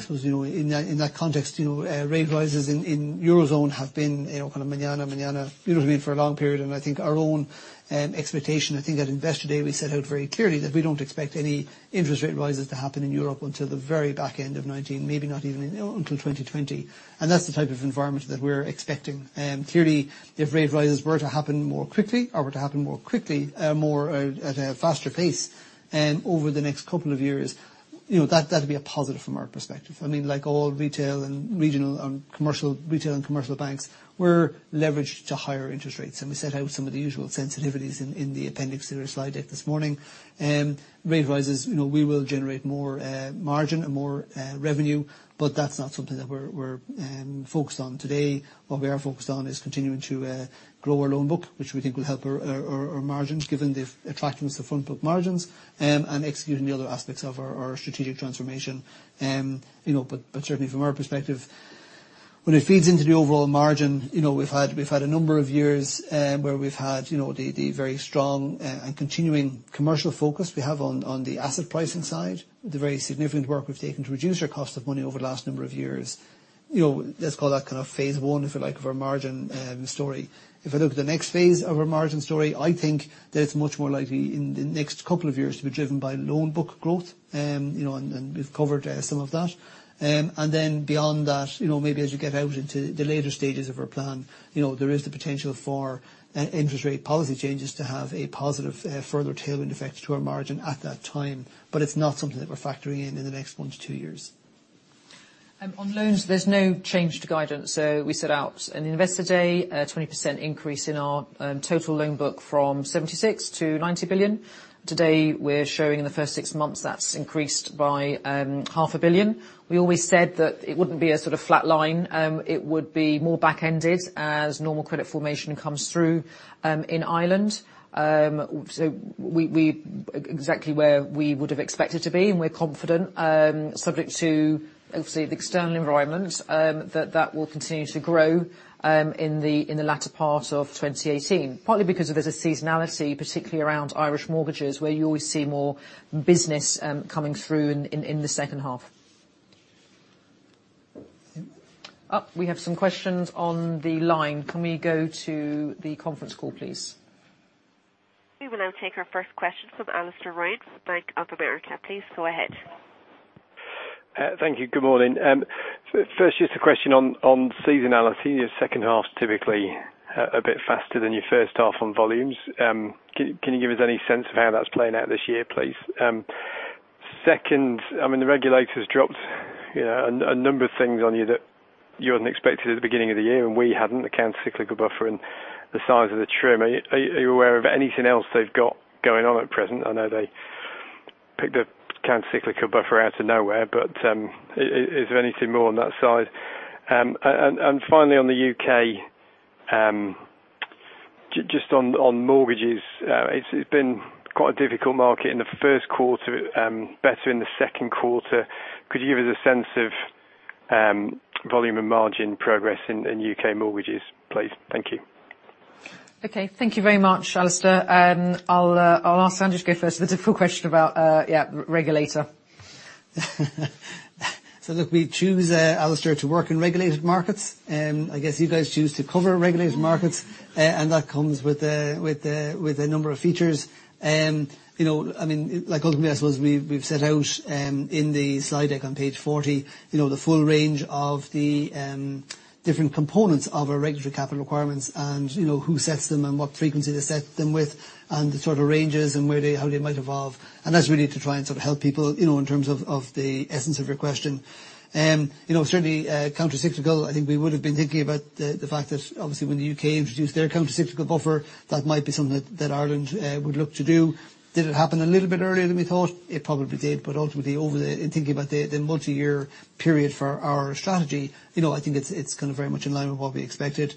suppose, in that context, rate rises in Eurozone have been kind of mañana, beautifully for a long period, I think our own expectation, I think at Investor Day, we set out very clearly that we don't expect any interest rate rises to happen in Europe until the very back end of 2019, maybe not even until 2020. That's the type of environment that we're expecting. Clearly, if rate rises were to happen more quickly, more at a faster pace over the next couple of years. That'd be a positive from our perspective. I mean, like all retail and regional and commercial retail and commercial banks, we're leveraged to higher interest rates, and we set out some of the usual sensitivities in the appendix to your slide deck this morning. Rate rises, we will generate more margin and more revenue, that's not something that we're focused on today. What we are focused on is continuing to grow our loan book, which we think will help our margins given the attractiveness of front book margins, and executing the other aspects of our strategic transformation. Certainly from our perspective, when it feeds into the overall margin, we've had a number of years where we've had the very strong and continuing commercial focus we have on the asset pricing side, the very significant work we've taken to reduce our cost of money over the last number of years. Let's call that kind of phase 1, if you like, of our margin story. If I look at the next phase of our margin story, I think that it's much more likely in the next couple of years to be driven by loan book growth. We've covered some of that. Then beyond that, maybe as you get out into the later stages of our plan, there is the potential for interest rate policy changes to have a positive further tailwind effect to our margin at that time. It's not something that we're factoring in in the next one to two years. On loans, there's no change to guidance. We set out an investor day, a 20% increase in our total loan book from 76 billion to 90 billion. Today, we're showing in the first six months that's increased by EUR half a billion. We always said that it wouldn't be a sort of flat line. It would be more back-ended as normal credit formation comes through in Ireland. We are exactly where we would have expected to be, and we're confident, subject to obviously the external environment, that that will continue to grow in the latter part of 2018. Partly because there's a seasonality, particularly around Irish mortgages, where you always see more business coming through in the second half. We have some questions on the line. Can we go to the conference call, please? We will now take our first question from Alastair Ryan with Bank of America. Please go ahead. Thank you. Good morning. First, just a question on seasonality. Your second half typically a bit faster than your first half on volumes. Can you give us any sense of how that's playing out this year, please? Second, I mean, the regulators dropped a number of things on you that you hadn't expected at the beginning of the year, and we hadn't, the countercyclical buffer and the size of the TRIM. Are you aware of anything else they've got going on at present? I know they picked a countercyclical buffer out of nowhere, but is there anything more on that side? Finally on the U.K., just on mortgages, it's been quite a difficult market in the first quarter, better in the second quarter. Could you give us a sense of volume and margin progress in U.K. mortgages, please? Thank you. Okay. Thank you very much, Alastair. I'll ask Andrew to go first, the difficult question about regulator. Look, we choose, Alastair, to work in regulated markets, I guess you guys choose to cover regulated markets, and that comes with a number of features. I mean, like ultimately, I suppose we've set out in the slide deck on page 40, the full range of the different components of our regulatory capital requirements and who sets them and what frequency they set them with, and the sort of ranges and how they might evolve, and that's really to try and sort of help people in terms of the essence of your question. Certainly countercyclical, I think we would have been thinking about the fact that obviously when the U.K. introduced their countercyclical buffer, that might be something that Ireland would look to do. Did it happen a little bit earlier than we thought? It probably did. Ultimately in thinking about the multi-year period for our strategy, I think it's kind of very much in line with what we expected.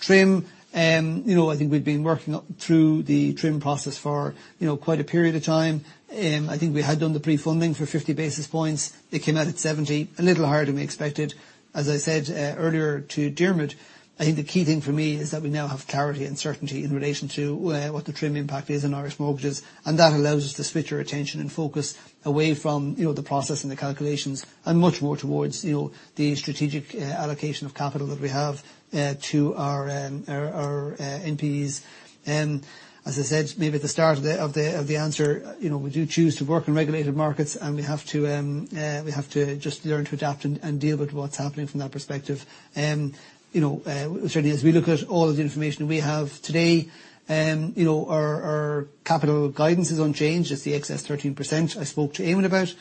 TRIM, I think we've been working through the TRIM process for quite a period of time. I think we had done the pre-funding for 50 basis points. It came out at 70, a little higher than we expected. As I said earlier to Diarmaid, I think the key thing for me is that we now have clarity and certainty in relation to what the TRIM impact is on Irish mortgages, and that allows us to switch our attention and focus away from the process and the calculations and much more towards the strategic allocation of capital that we have to our NPEs. As I said maybe at the start of the answer, we do choose to work in regulated markets, and we have to just learn to adapt and deal with what's happening from that perspective. Certainly as we look at all of the information we have today, our capital guidance is unchanged. It's the excess 13% I spoke to Eamonn about.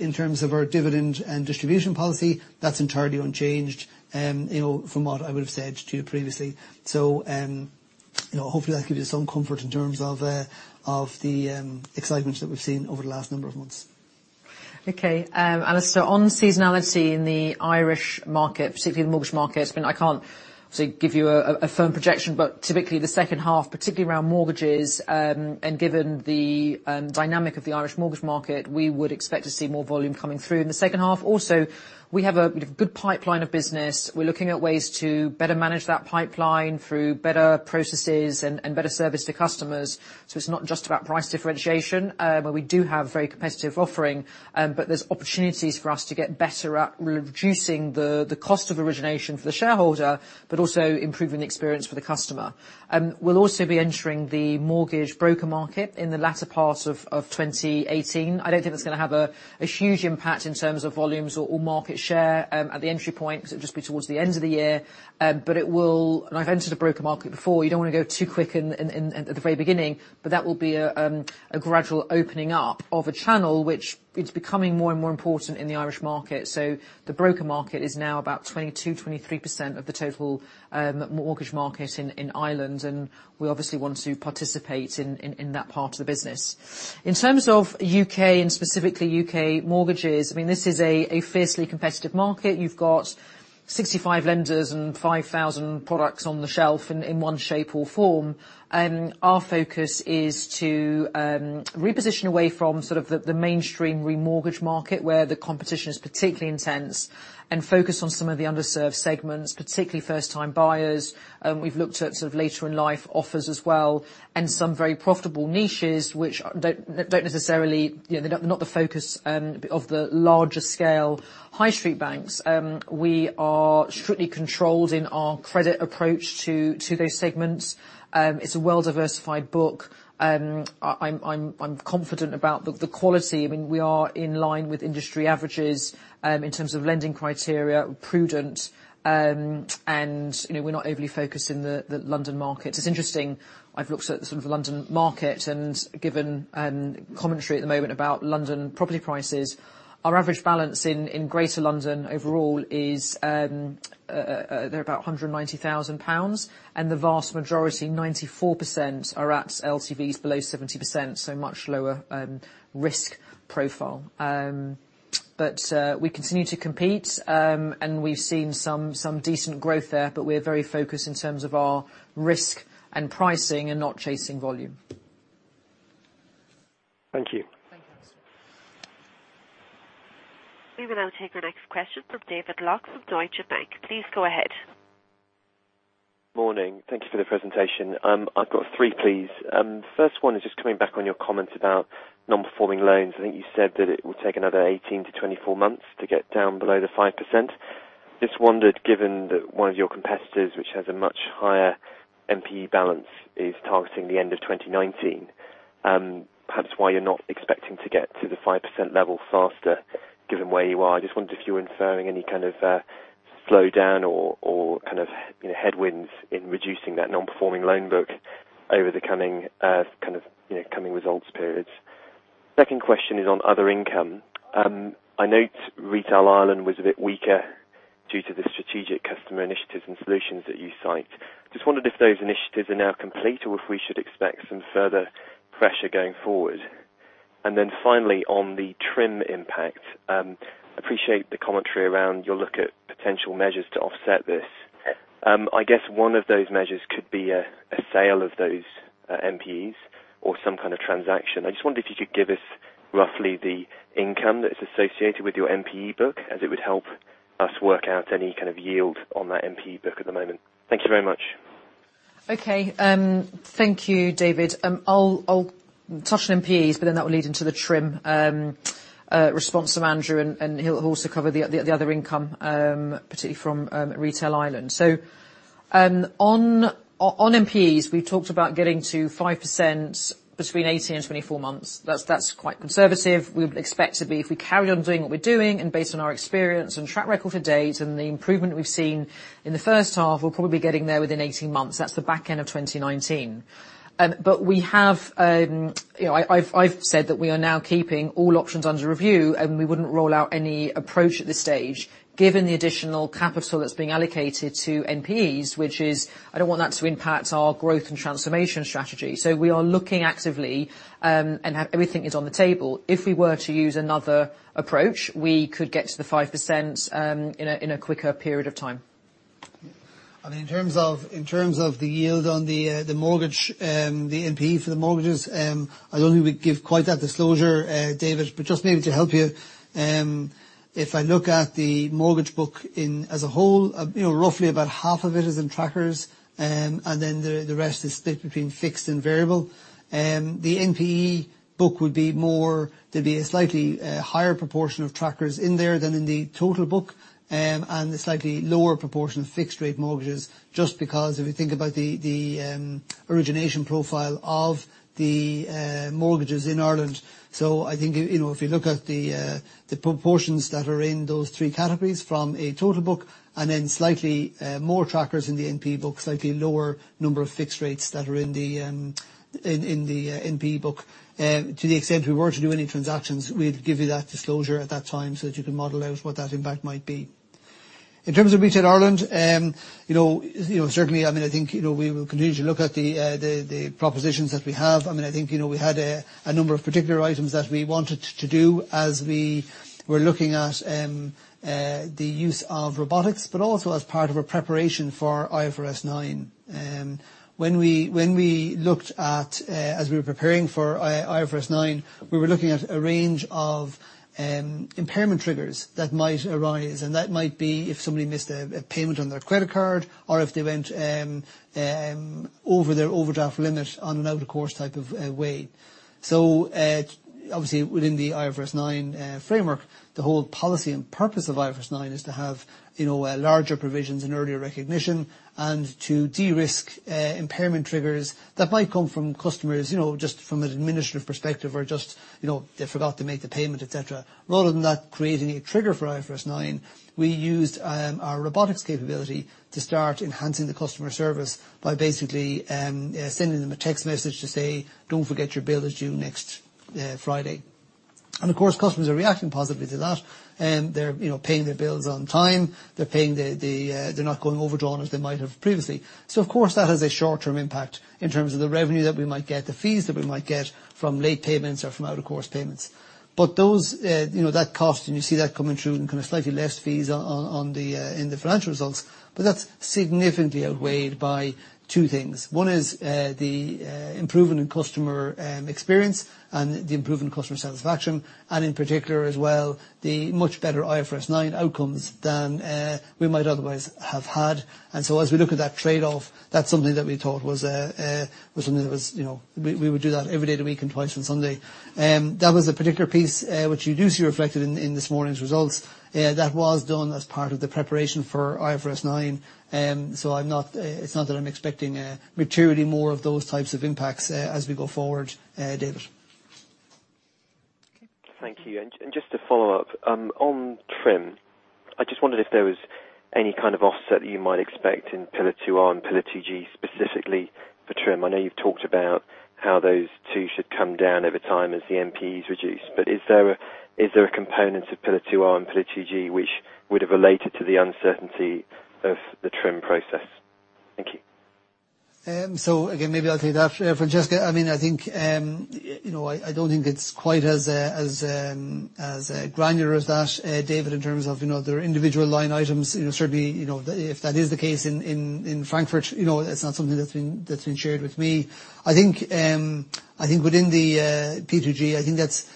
In terms of our dividend and distribution policy, that's entirely unchanged from what I would have said to you previously. Hopefully that gives you some comfort in terms of the excitement that we've seen over the last number of months. Okay. Alastair, on seasonality in the Irish market, specifically the mortgage market, I can't give you a firm projection, but typically the second half, particularly around mortgages, and given the dynamic of the Irish mortgage market, we would expect to see more volume coming through in the second half. We have a good pipeline of business. We're looking at ways to better manage that pipeline through better processes and better service to customers. It's not just about price differentiation, but we do have a very competitive offering, but there's opportunities for us to get better at reducing the cost of origination for the shareholder, but also improving the experience for the customer. We'll also be entering the mortgage broker market in the latter part of 2018. I don't think that's going to have a huge impact in terms of volumes or market share at the entry point, because it would just be towards the end of the year. I've entered a broker market before, you don't want to go too quick at the very beginning. That will be a gradual opening up of a channel, which it's becoming more and more important in the Irish market. The broker market is now about 22, 23% of the total mortgage market in Ireland, and we obviously want to participate in that part of the business. In terms of U.K. and specifically U.K. mortgages, this is a fiercely competitive market. You've got 65 lenders and 5,000 products on the shelf in one shape or form. Our focus is to reposition away from the mainstream remortgage market, where the competition is particularly intense, and focus on some of the underserved segments, particularly first time buyers. We've looked at later in life offers as well, and some very profitable niches, they're not the focus of the larger scale high street banks. We are strictly controlled in our credit approach to those segments. It's a well-diversified book. I'm confident about the quality. We are in line with industry averages, in terms of lending criteria, prudent, and we're not overly focused in the London market. It's interesting, I've looked at the London market, and given commentary at the moment about London property prices. Our average balance in Greater London overall is about £190,000, and the vast majority, 94%, are at LTVs below 70%, so much lower risk profile. We continue to compete, and we've seen some decent growth there, but we're very focused in terms of our risk and pricing and not chasing volume. Thank you. Thank you. We will now take our next question from David Lock of Deutsche Bank. Please go ahead. Morning. Thank you for the presentation. I've got three, please. First one is just coming back on your comment about non-performing loans. I think you said that it will take another 18 to 24 months to get down below the 5%. Just wondered, given that one of your competitors, which has a much higher NPE balance, is targeting the end of 2019, perhaps why you're not expecting to get to the 5% level faster given where you are. I just wondered if you're inferring any kind of slowdown or headwinds in reducing that non-performing loan book over the coming results periods. Second question is on other income. I note Retail Ireland was a bit weaker due to the strategic customer initiatives and solutions that you cite. Just wondered if those initiatives are now complete, or if we should expect some further pressure going forward. Finally, on the TRIM impact. Appreciate the commentary around your look at potential measures to offset this. I guess one of those measures could be a sale of those NPEs or some kind of transaction. I just wondered if you could give us roughly the income that is associated with your NPE book, as it would help us work out any kind of yield on that NPE book at the moment. Thank you very much. Okay. Thank you, David. I'll touch on NPEs, that will lead into the TRIM response from Andrew, he'll also cover the other income, particularly from Retail Ireland. On NPEs, we talked about getting to 5% between 18 and 24 months. That's quite conservative. We would expect to be, if we carry on doing what we're doing, and based on our experience and track record to date, and the improvement we've seen in the first half, we're probably getting there within 18 months. That's the back end of 2019. I've said that we are now keeping all options under review, and we wouldn't rule out any approach at this stage, given the additional capital that's being allocated to NPEs. I don't want that to impact our growth and transformation strategy. We are looking actively, everything is on the table. If we were to use another approach, we could get to the 5% in a quicker period of time. In terms of the yield on the NPE for the mortgages, I don't think we give quite that disclosure, David, but just maybe to help you. If I look at the mortgage book as a whole, roughly about half of it is in trackers, then the rest is split between fixed and variable. The NPE book, there'd be a slightly higher proportion of trackers in there than in the total book, and a slightly lower proportion of fixed rate mortgages, just because if you think about the origination profile of the mortgages in Ireland. I think, if you look at the proportions that are in those 3 categories from a total book, then slightly more trackers in the NPE book, slightly lower number of fixed rates that are in the NPE book. To the extent we were to do any transactions, we'd give you that disclosure at that time so that you can model out what that impact might be. In terms of Retail Ireland, certainly, I think we will continue to look at the propositions that we have. I think we had a number of particular items that we wanted to do as we were looking at the use of robotics, but also as part of our preparation for IFRS 9. When we looked at, as we were preparing for IFRS 9, we were looking at a range of impairment triggers that might arise, and that might be if somebody missed a payment on their credit card or if they went over their overdraft limit on an out of course type of way. Obviously, within the IFRS 9 framework, the whole policy and purpose of IFRS 9 is to have larger provisions and earlier recognition and to de-risk impairment triggers that might come from customers, just from an administrative perspective or just they forgot to make the payment, et cetera. Rather than that creating a trigger for IFRS 9, we used our robotics capability to start enhancing the customer service by basically sending them a text message to say, "Don't forget your bill is due next Friday." Of course, customers are reacting positively to that. They're paying their bills on time. They're not going overdrawn as they might have previously. Of course, that has a short-term impact in terms of the revenue that we might get, the fees that we might get from late payments or from out of course payments. That cost, and you see that coming through in kind of slightly less fees in the financial results, but that's significantly outweighed by two things. One is the improvement in customer experience and the improvement in customer satisfaction, and in particular as well, the much better IFRS 9 outcomes than we might otherwise have had. As we look at that trade-off, that's something that we thought was something that we would do that every day of the week and twice on Sunday. That was a particular piece, which you do see reflected in this morning's results. That was done as part of the preparation for IFRS 9. It's not that I'm expecting materially more of those types of impacts as we go forward, David. Thank you. Just to follow up, on TRIM, I just wondered if there was any kind of offset that you might expect in Pillar 2R and Pillar 2G specifically for TRIM. I know you've talked about how those two should come down over time as the NPEs reduce, but is there a component of Pillar 2R and Pillar 2G which would have related to the uncertainty of the TRIM process? Thank you. Again, maybe I'll take that. Francesca, I don't think it's quite as granular as that, David, in terms of their individual line items. Certainly, if that is the case in Frankfurt, it's not something that's been shared with me. I think within the P2G, I think that's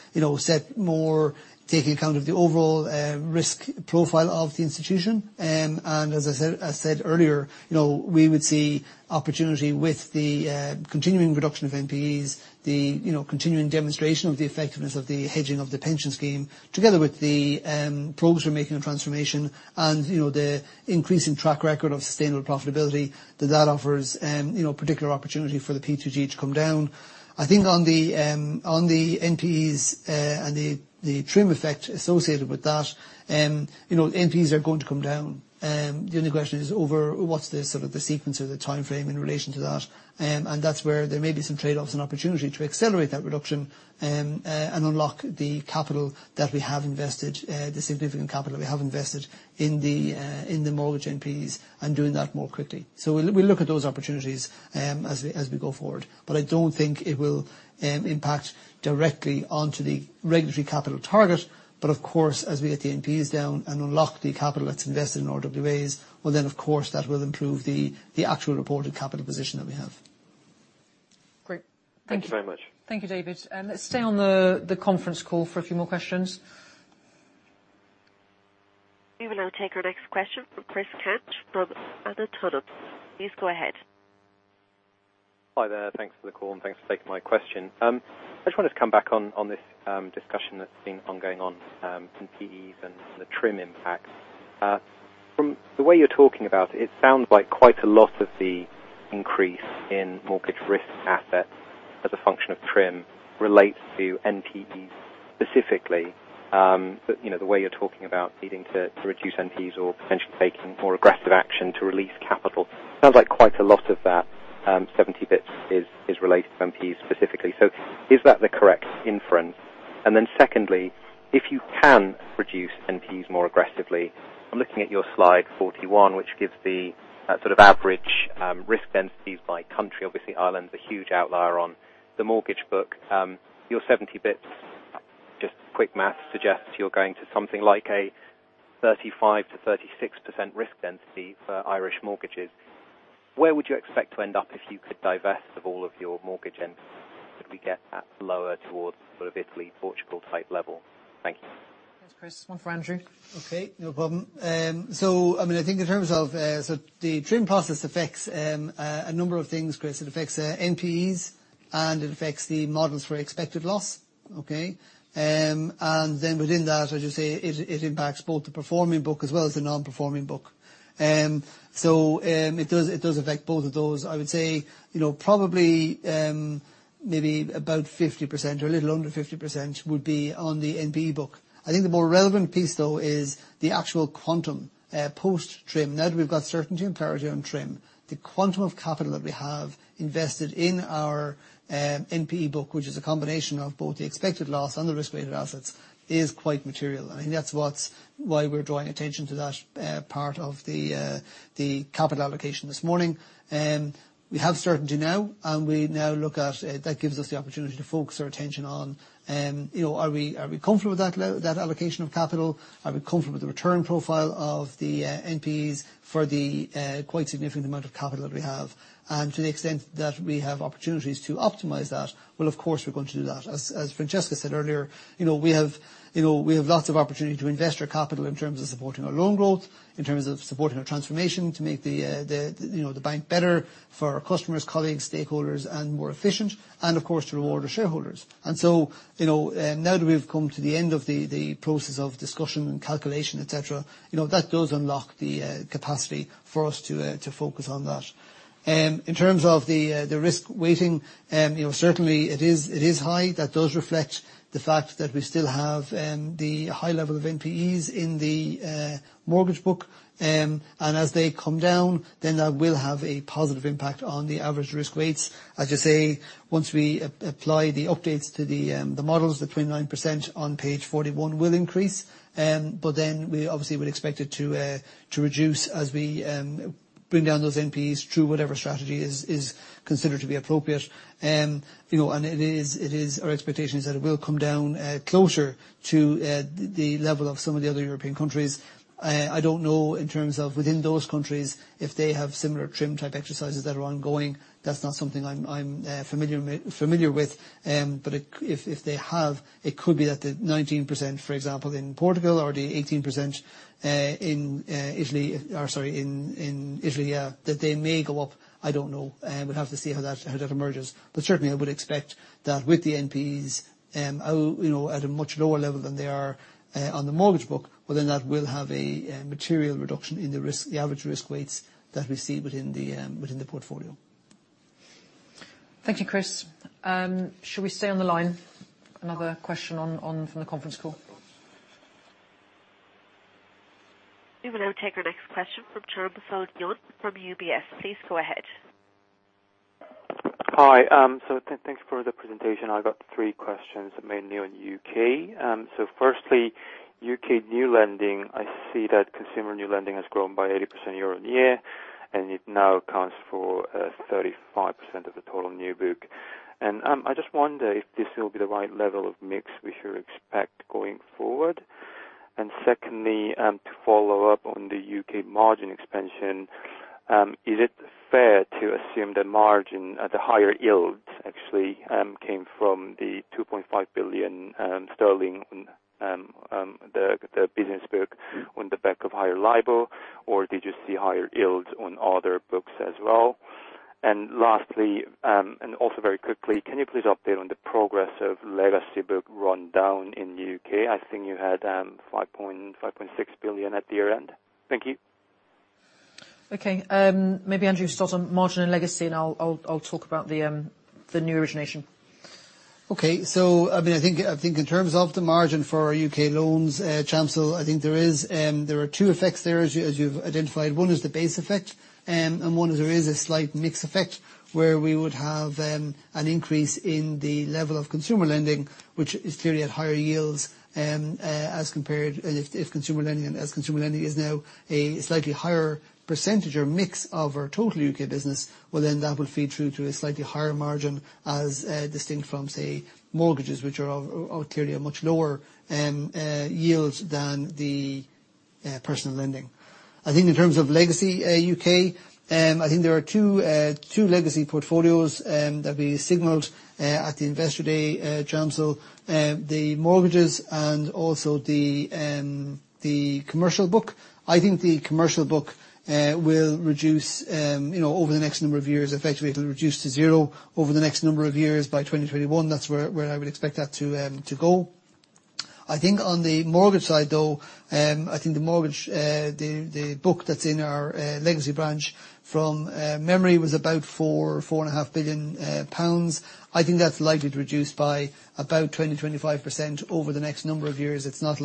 set more taking account of the overall risk profile of the institution. As I said earlier, we would see opportunity with the continuing reduction of NPEs, the continuing demonstration of the effectiveness of the hedging of the pension scheme, together with the progress we're making on transformation and the increasing track record of sustainable profitability that that offers particular opportunity for the P2G to come down. I think on the NPEs and the TRIM effect associated with that, NPEs are going to come down. The only question is over what's the sort of the sequence or the timeframe in relation to that. That's where there may be some trade-offs and opportunity to accelerate that reduction, and unlock the capital that we have invested, the significant capital we have invested in the mortgage NPEs and doing that more quickly. We'll look at those opportunities as we go forward. I don't think it will impact directly onto the regulatory capital target. Of course, as we get the NPEs down and unlock the capital that's invested in RWAs, well, then of course, that will improve the actual reported capital position that we have. Great. Thank you very much. Thank you, David. Let's stay on the conference call for a few more questions. We will now take our next question from Chris Sheridan from Autonomous. Please go ahead. Hi there. Thanks for the call and thanks for taking my question. I just wanted to come back on this discussion that's been ongoing on NPEs and the TRIM impact. From the way you're talking about it sounds like quite a lot of the increase in mortgage risk assets as a function of TRIM relates to NPEs specifically. The way you're talking about needing to reduce NPEs or potentially taking more aggressive action to release capital. Sounds like quite a lot of that 70 basis points is related to NPEs specifically. Is that the correct inference? Secondly, if you can reduce NPEs more aggressively, I'm looking at your slide 41, which gives the sort of average risk densities by country. Obviously, Ireland is a huge outlier on the mortgage book. Your 70 basis points, just quick math suggests you're going to something like a 35%-36% risk density for Irish mortgages. Where would you expect to end up if you could divest of all of your mortgage NPEs? Could we get that lower towards sort of Italy, Portugal type level? Thank you. Thanks, Chris. One for Andrew. Okay, no problem. The TRIM process affects a number of things, Chris. It affects NPEs, and it affects the models for expected loss. Okay. Within that, as you say, it impacts both the performing book as well as the non-performing book. It does affect both of those. I would say probably Maybe about 50% or a little under 50% would be on the NPE book. I think the more relevant piece, though, is the actual quantum post-TRIM. Now that we've got certainty and clarity on TRIM, the quantum of capital that we have invested in our NPE book, which is a combination of both the expected loss and the risk-weighted assets, is quite material. I think that's why we're drawing attention to that part of the capital allocation this morning. We have certainty now, that gives us the opportunity to focus our attention on, are we comfortable with that allocation of capital? Are we comfortable with the return profile of the NPEs for the quite significant amount of capital that we have? To the extent that we have opportunities to optimize that, well, of course we're going to do that. As Francesca said earlier, we have lots of opportunity to invest our capital in terms of supporting our loan growth, in terms of supporting our transformation to make the bank better for our customers, colleagues, stakeholders, of course, to reward our shareholders. Now that we've come to the end of the process of discussion and calculation, et cetera, that does unlock the capacity for us to focus on that. In terms of the risk weighting, certainly it is high. That does reflect the fact that we still have the high level of NPEs in the mortgage book. As they come down, that will have a positive impact on the average risk weights. As you say, once we apply the updates to the models, the 29% on page 41 will increase. We obviously would expect it to reduce as we bring down those NPEs through whatever strategy is considered to be appropriate. Our expectation is that it will come down closer to the level of some of the other European countries. I don't know, in terms of within those countries, if they have similar TRIM-type exercises that are ongoing. That's not something I'm familiar with. If they have, it could be that the 19%, for example, in Portugal or the 18% in Italy, that they may go up. I don't know. We'll have to see how that emerges. Certainly, I would expect that with the NPEs at a much lower level than they are on the mortgage book, well, that will have a material reduction in the average risk weights that we see within the portfolio. Thank you, Chris. Should we stay on the line? Another question from the conference call. We will now take our next question from Jason Napier from UBS. Please go ahead. Hi. Thanks for the presentation. I've got three questions, mainly on U.K. Firstly, U.K. new lending, I see that consumer new lending has grown by 80% year-on-year, and it now accounts for 35% of the total new book. I just wonder if this will be the right level of mix we should expect going forward. Secondly, to follow up on the U.K. margin expansion, is it fair to assume the margin at the higher yields actually came from the 2.5 billion sterling in the business book on the back of higher LIBOR? Did you see higher yields on other books as well? Lastly, also very quickly, can you please update on the progress of legacy book rundown in the U.K.? I think you had 5.6 billion at year-end. Thank you. Okay. Maybe Andrew, start on margin and legacy. I'll talk about the new origination. Okay. I think in terms of the margin for our U.K. loans, Jason, I think there are two effects there, as you've identified. One is the base effect. One is there is a slight mix effect where we would have an increase in the level of consumer lending, which is clearly at higher yields as compared, if consumer lending is now a slightly higher percentage or mix of our total U.K. business. That will feed through to a slightly higher margin as distinct from, say, mortgages, which are clearly a much lower yield than the personal lending. I think in terms of legacy U.K., I think there are two legacy portfolios that we signaled at the investor day, Jason. The mortgages and also the commercial book. I think the commercial book will reduce over the next number of years. Effectively, it'll reduce to zero over the next number of years by 2021. That's where I would expect that to go. I think on the mortgage side, though, I think the mortgage, the book that's in our legacy branch, from memory, was about 4.5 billion pounds. I think that's likely to reduce by about 20%-25% over the next number of years. That's what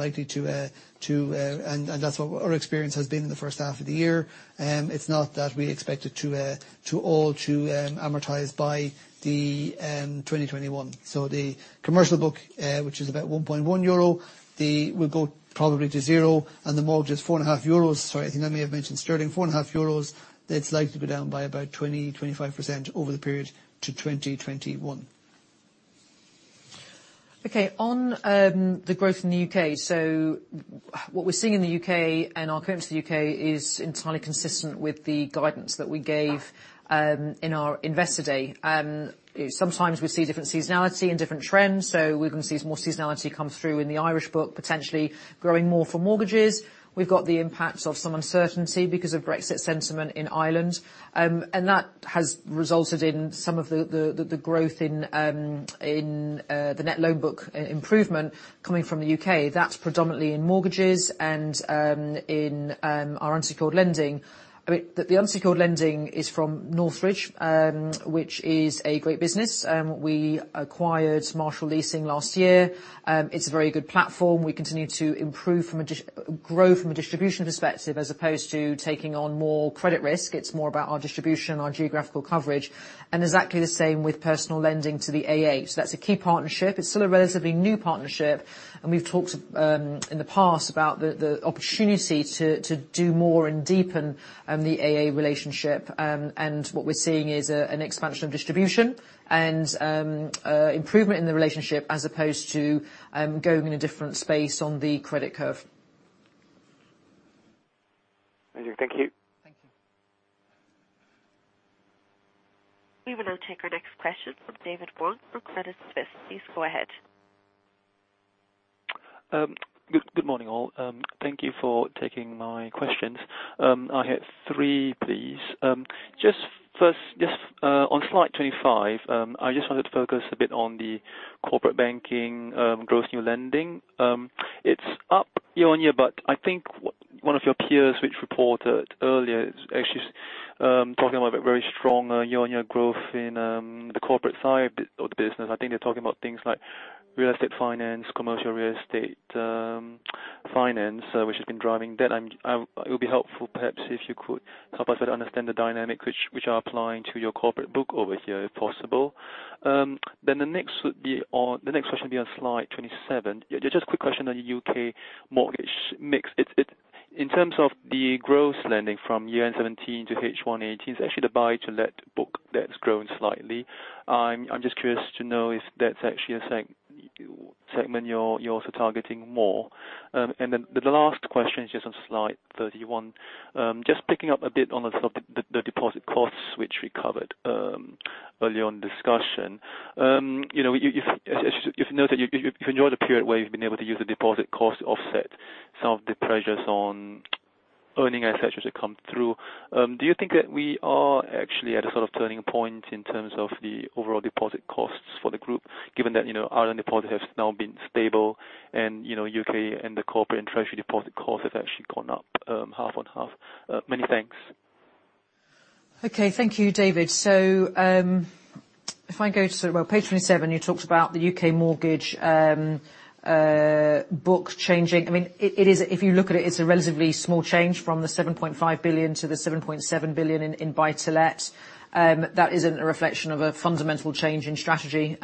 our experience has been in the first half of the year. It's not that we expect it to all to amortize by 2021. The commercial book, which is about 1.1 billion euro, will go probably to zero, and the mortgage is 4.5 billion euros. Sorry, I think I may have mentioned sterling. 4.5 billion euros, it's likely to be down by about 20%-25% over the period to 2021. Okay. On the growth in the U.K. What we're seeing in the U.K., our growth in the U.K. is entirely consistent with the guidance that we gave in our investor day. Sometimes we see different seasonality and different trends. We're going to see some more seasonality come through in the Irish book, potentially growing more for mortgages. We've got the impact of some uncertainty because of Brexit sentiment in Ireland. That has resulted in some of the growth in the net loan book improvement coming from the U.K. That's predominantly in mortgages and in our unsecured lending. I mean, the unsecured lending is from Northridge, which is a great business. We acquired Marshall Leasing last year. It's a very good platform. We continue to grow from a distribution perspective, as opposed to taking on more credit risk. It's more about our distribution, our geographical coverage, and exactly the same with personal lending to the AA. That's a key partnership. It's still a relatively new partnership, we've talked in the past about the opportunity to do more and deepen the AA relationship. What we're seeing is an expansion of distribution and improvement in the relationship as opposed to going in a different space on the credit curve. Thank you. Thank you. We will now take our next question from David Wong from Credit Suisse. Please go ahead. Good morning, all. Thank you for taking my questions. I have three, please. First, on slide 25, I wanted to focus a bit on the corporate banking gross new lending. It's up year-on-year, but I think one of your peers which reported earlier is actually talking about very strong year-on-year growth in the corporate side of the business. I think they're talking about things like real estate finance, commercial real estate finance, which has been driving that. It would be helpful perhaps if you could help us better understand the dynamic which are applying to your corporate book over here, if possible. The next question will be on slide 27. Just a quick question on U.K. mortgage mix. In terms of the gross lending from year end 2017 to H1 2018, it's actually the buy-to-let book that's grown slightly. I'm just curious to know if that's actually a segment you're also targeting more. The last question is just on slide 31. Just picking up a bit on the deposit costs which we covered earlier on in discussion. You enjoy the period where you've been able to use the deposit cost to offset some of the pressures on earning assets as they come through, do you think that we are actually at a sort of turning point in terms of the overall deposit costs for the group, given that Ireland deposits have now been stable and U.K. and the corporate and treasury deposit costs have actually gone up half-on-half? Many thanks. Okay. Thank you, David. If I go to page 27, you talked about the U.K. mortgage book changing. If you look at it's a relatively small change from the 7.5 billion to the 7.7 billion in buy-to-let. That isn't a reflection of a fundamental change in strategy.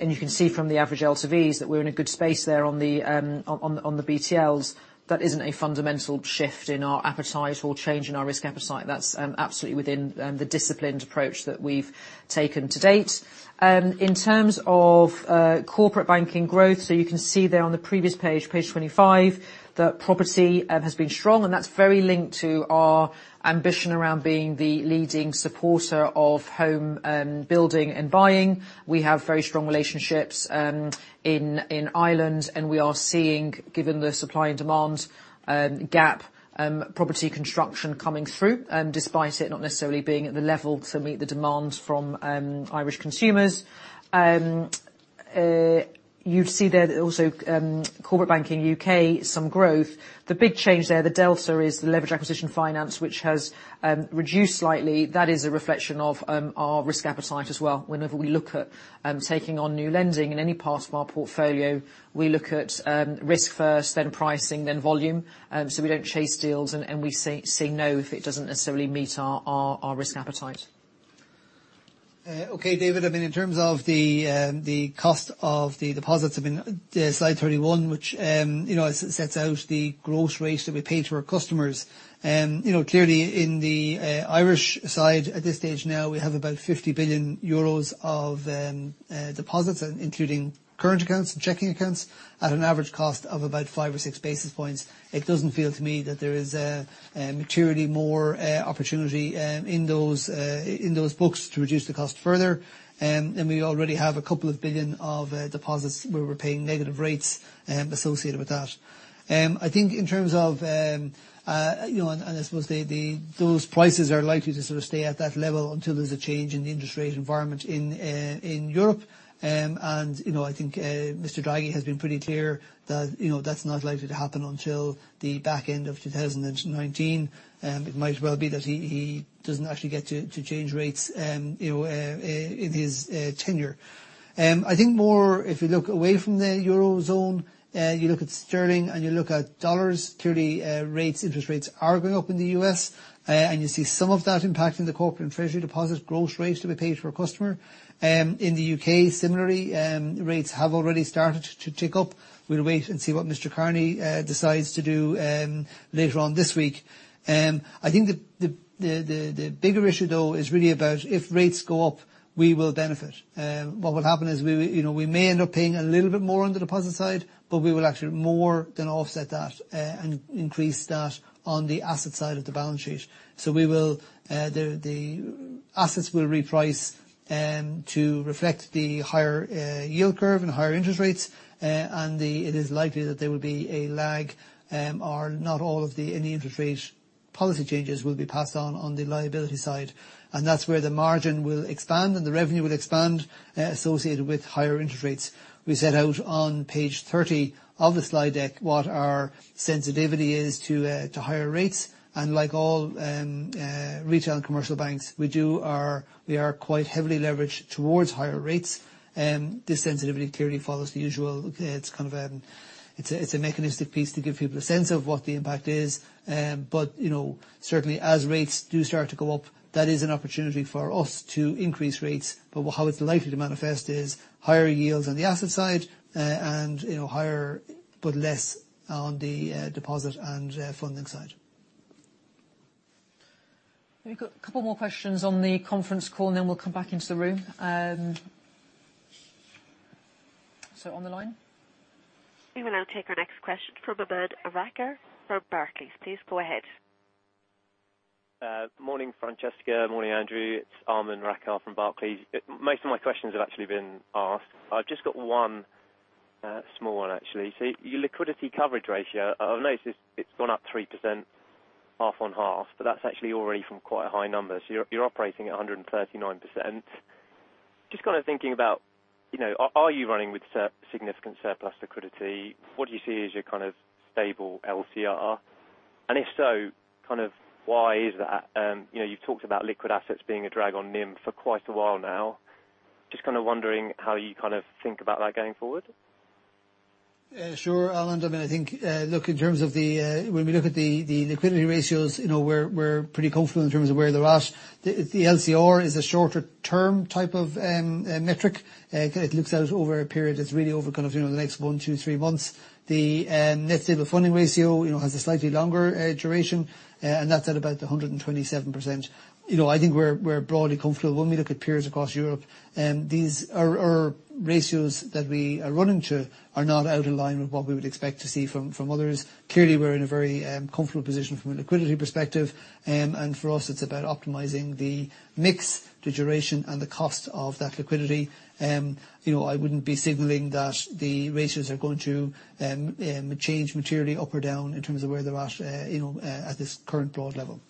You can see from the average LTVs that we're in a good space there on the BTLs. That isn't a fundamental shift in our appetite or change in our risk appetite. That's absolutely within the disciplined approach that we've taken to date. In terms of corporate banking growth, you can see there on the previous page 25, that property has been strong, and that's very linked to our ambition around being the leading supporter of home building and buying. We have very strong relationships in Ireland, we are seeing, given the supply and demand gap, property construction coming through, despite it not necessarily being at the level to meet the demand from Irish consumers. You'd see there that also corporate banking U.K., some growth. The big change there, the delta is leverage acquisition finance, which has reduced slightly. That is a reflection of our risk appetite as well. Whenever we look at taking on new lending in any part of our portfolio, we look at risk first, then pricing, then volume. We don't chase deals, we say no if it doesn't necessarily meet our risk appetite. Okay, David. In terms of the cost of the deposits, slide 31, which sets out the gross rates that we pay to our customers. Clearly in the Irish side at this stage now, we have about 50 billion euros of deposits, including current accounts and checking accounts at an average cost of about five or six basis points. It doesn't feel to me that there is materially more opportunity in those books to reduce the cost further. We already have a couple of billion of deposits where we're paying negative rates associated with that. I think in terms of, and I suppose those prices are likely to sort of stay at that level until there's a change in the interest rate environment in Europe. I think Mr. Draghi has been pretty clear that that's not likely to happen until the back end of 2019. It might well be that he doesn't actually get to change rates in his tenure. I think more if you look away from the Eurozone, you look at sterling and you look at dollars, clearly interest rates are going up in the U.S., and you see some of that impact in the corporate and treasury deposit gross rates that we pay to our customer. In the U.K., similarly, rates have already started to tick up. We'll wait and see what Mr. Carney decides to do later on this week. I think the bigger issue, though, is really about if rates go up, we will benefit. What will happen is we may end up paying a little bit more on the deposit side, but we will actually more than offset that and increase that on the asset side of the balance sheet. Assets will reprice to reflect the higher yield curve and higher interest rates, and it is likely that there will be a lag, or not all of any interest rate policy changes will be passed on the liability side. That's where the margin will expand, and the revenue will expand associated with higher interest rates. We set out on page 30 of the slide deck what our sensitivity is to higher rates. Like all retail and commercial banks, we are quite heavily leveraged towards higher rates. This sensitivity clearly follows the usual. It's a mechanistic piece to give people a sense of what the impact is. Certainly, as rates do start to go up, that is an opportunity for us to increase rates. How it's likely to manifest is higher yields on the asset side and higher, but less on the deposit and funding side. We've got a couple more questions on the conference call, then we'll come back into the room. On the line? We will now take our next question from Aman Rakkar from Barclays. Please go ahead. Morning, Francesca. Morning, Andrew. It's Aman Rakkar from Barclays. Most of my questions have actually been asked. I've just got one small one, actually. Your liquidity coverage ratio, I've noticed it's gone up 3% half on half, but that's actually already from quite a high number. You're operating at 139%. Just kind of thinking about, are you running with significant surplus liquidity? What do you see as your kind of stable LCR? And if so, kind of why is that? You've talked about liquid assets being a drag on NIM for quite a while now. Just kind of wondering how you kind of think about that going forward. Sure, Aman. I mean, I think, look, when we look at the liquidity ratios, we're pretty comfortable in terms of where they're at. The LCR is a shorter-term type of metric. It looks out over a period that's really over kind of the next one, two, three months. The net stable funding ratio has a slightly longer duration, and that's at about 127%. I think we're broadly comfortable. When we look at peers across Europe, our ratios that we are running to are not out of line with what we would expect to see from others. Clearly, we're in a very comfortable position from a liquidity perspective. For us, it's about optimizing the mix, the duration, and the cost of that liquidity. I wouldn't be signaling that the ratios are going to change materially up or down in terms of where they're at this current broad level.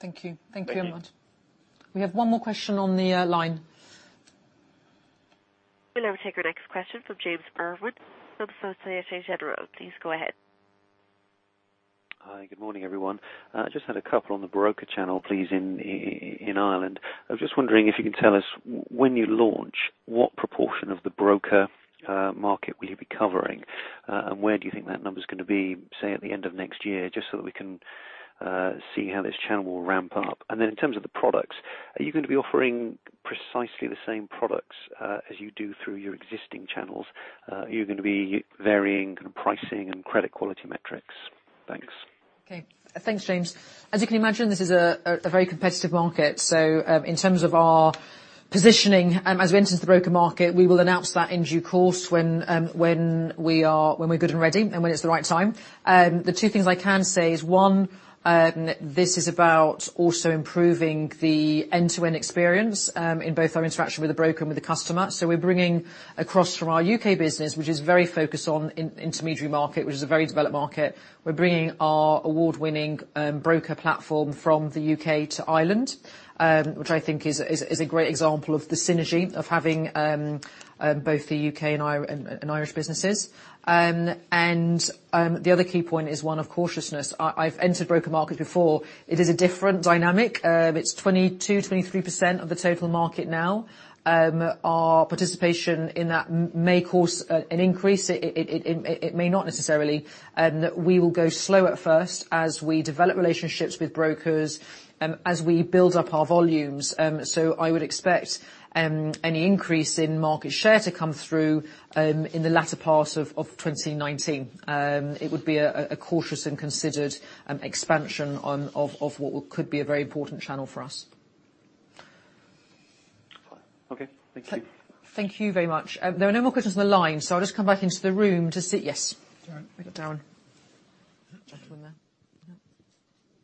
Thank you. Thank you, Aman. We have one more question on the line. We will now take our next question from James Bermond of Societe Generale. Please go ahead. Hi. Good morning, everyone. I just had a couple on the broker channel, please, in Ireland. I was just wondering if you could tell us when you launch, what proportion of the broker market will you be covering? Where do you think that number's going to be, say, at the end of next year, just so that we can see how this channel will ramp up. In terms of the products, are you going to be offering precisely the same products as you do through your existing channels? Are you going to be varying kind of pricing and credit quality metrics? Thanks. Okay. Thanks, James. As you can imagine, this is a very competitive market. In terms of our positioning as we enter the broker market, we will announce that in due course when we're good and ready and when it's the right time. The 2 things I can say is, 1, this is about also improving the end-to-end experience in both our interaction with the broker and with the customer. We're bringing across from our U.K. business, which is very focused on intermediary market, which is a very developed market. We're bringing our award-winning broker platform from the U.K. to Ireland, which I think is a great example of the synergy of having both the U.K. and Irish businesses. The other key point is one of cautiousness. I've entered broker markets before. It is a different dynamic. It's 22, 23% of the total market now. Our participation in that may cause an increase, it may not necessarily. We will go slow at first as we develop relationships with brokers, as we build up our volumes. I would expect any increase in market share to come through in the latter part of 2019. It would be a cautious and considered expansion of what could be a very important channel for us. Okay. Thank you. Thank you very much. There are no more questions on the line. I'll just come back into the room. Yes. Darren. We'll go Darren. Gentleman there.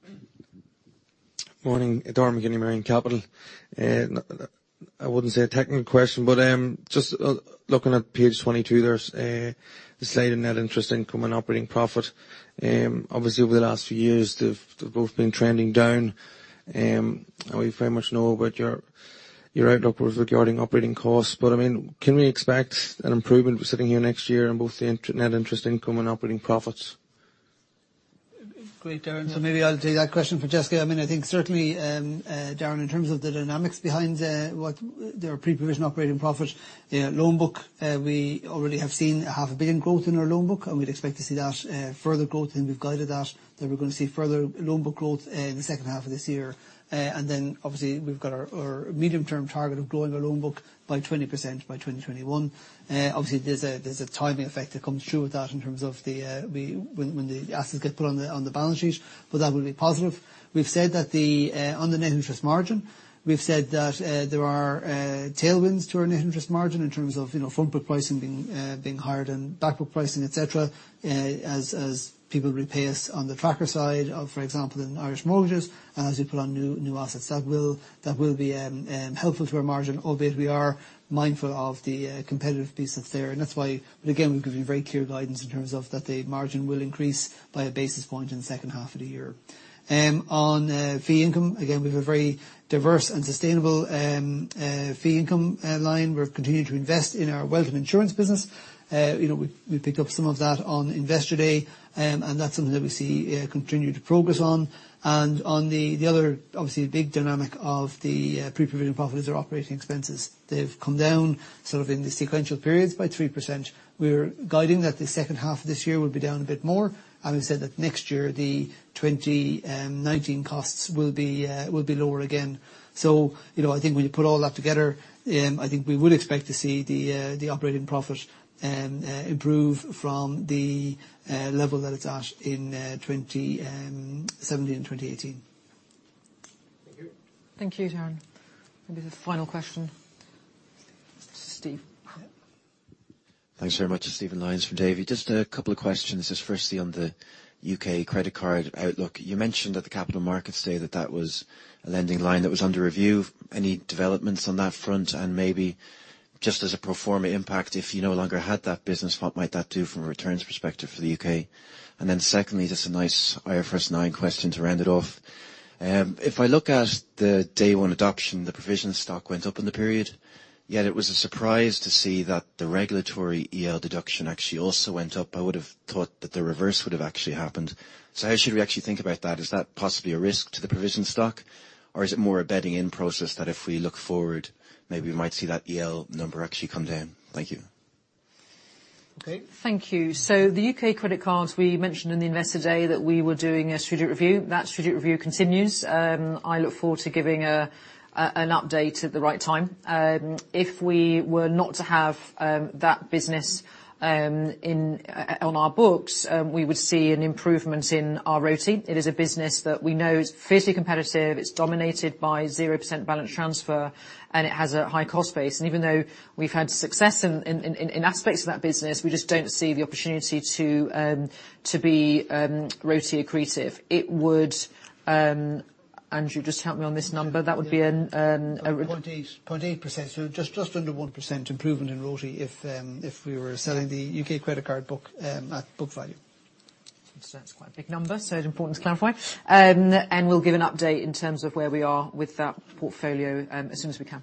Yeah. Morning. Darren McKinley, Merrion Capital. I wouldn't say a technical question, but just looking at page 22, there's this slide in net interest income and operating profit. Obviously, over the last few years, they've both been trending down. We very much know about your outlook regarding operating costs. I mean, can we expect an improvement sitting here next year on both the net interest income and operating profits? Great, Darren. Maybe I'll take that question for Francesca. I think certainly, Darren, in terms of the dynamics behind their pre-provision operating profit, their loan book, we already have seen EUR half a billion growth in our loan book, and we'd expect to see that further growth, we've guided that we're going to see further loan book growth in the second half of this year. Obviously we've got our medium term target of growing our loan book by 20% by 2021. Obviously, there's a timing effect that comes through with that in terms of when the assets get put on the balance sheet, that will be positive. On the net interest margin, we've said that there are tailwinds to our net interest margin in terms of full book pricing being higher than back book pricing, et cetera, as people repay us on the tracker side, for example, in Irish mortgages, as we put on new assets. That will be helpful to our margin, albeit we are mindful of the competitive piece that's there. That's why, again, we've given you very clear guidance in terms of that the margin will increase by one basis point in the second half of the year. On fee income, again, we've a very diverse and sustainable fee income line. We've continued to invest in our wealth and insurance business. We picked up some of that on Investor Day, that's something that we see continued progress on. On the other obviously big dynamic of the pre-provision profit is our operating expenses. They've come down sort of in the sequential periods by 3%. We're guiding that the second half of this year will be down a bit more, we've said that next year, the 2019 costs will be lower again. I think when you put all that together, I think we would expect to see the operating profit improve from the level that it's at in 2017 and 2018. Thank you. Thank you, Darren. Maybe the final question. Steve. Thanks very much. Stephen Lyons from Davy. Just a couple of questions. Just firstly, on the U.K. credit card outlook, you mentioned at the capital markets day that that was a lending line that was under review. Any developments on that front? Maybe just as a pro forma impact, if you no longer had that business, what might that do from a returns perspective for the U.K.? Secondly, just a nice IFRS 9 question to round it off. If I look at the day one adoption, the provision stock went up in the period, yet it was a surprise to see that the regulatory EL deduction actually also went up. I would have thought that the reverse would have actually happened. How should we actually think about that? Is that possibly a risk to the provision stock, or is it more a bedding in process that if we look forward, maybe we might see that EL number actually come down? Thank you. Okay. Thank you. The U.K. credit cards, we mentioned in the Investor Day that we were doing a strategic review. That strategic review continues. I look forward to giving an update at the right time. If we were not to have that business on our books, we would see an improvement in our ROTE. It is a business that we know is fiercely competitive. It is dominated by 0% balance transfer, and it has a high cost base. Even though we've had success in aspects of that business, we just don't see the opportunity to be ROTE accretive. Andrew, just help me on this number. 0.8%. Just under 1% improvement in ROTE if we were selling the U.K. credit card book at book value. It's quite a big number, so it's important to clarify. We'll give an update in terms of where we are with that portfolio as soon as we can.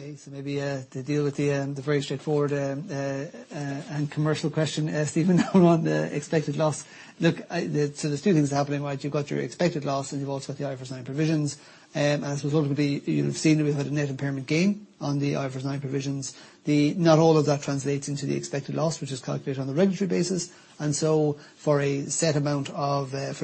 Okay. Maybe to deal with the very straightforward and commercial question, Stephen, on the expected loss. Look, there's two things happening, right? You've got your expected loss, and you've also got the IFRS 9 provisions. As a result of the, you'll have seen that we've had a net impairment gain on the IFRS 9 provisions. Not all of that translates into the expected loss, which is calculated on a regulatory basis. For a set amount of, if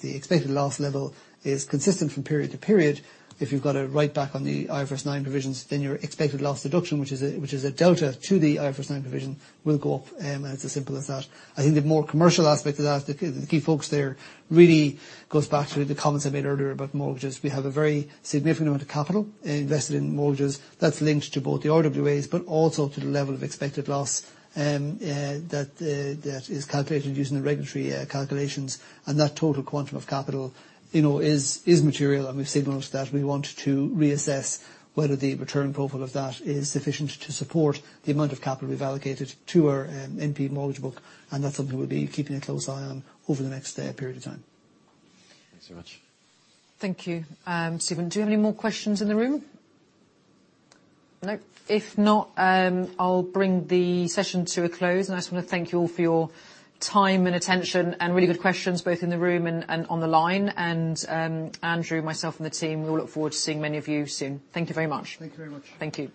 the expected loss level is consistent from period to period, if you've got a write-back on the IFRS 9 provisions, then your expected loss deduction, which is a delta to the IFRS 9 provision, will go up, and it's as simple as that. I think the more commercial aspect of that, the key focus there really goes back to the comments I made earlier about mortgages. We have a very significant amount of capital invested in mortgages that's linked to both the RWAs, but also to the level of expected loss that is calculated using the regulatory calculations. That total quantum of capital is material, and we've signaled that we want to reassess whether the return profile of that is sufficient to support the amount of capital we've allocated to our NP mortgage book, and that's something we'll be keeping a close eye on over the next period of time. Thanks so much. Thank you, Stephen. Do we have any more questions in the room? No? If not, I'll bring the session to a close. I just want to thank you all for your time and attention, and really good questions, both in the room and on the line. Andrew, myself, and the team, we all look forward to seeing many of you soon. Thank you very much. Thank you very much. Thank you.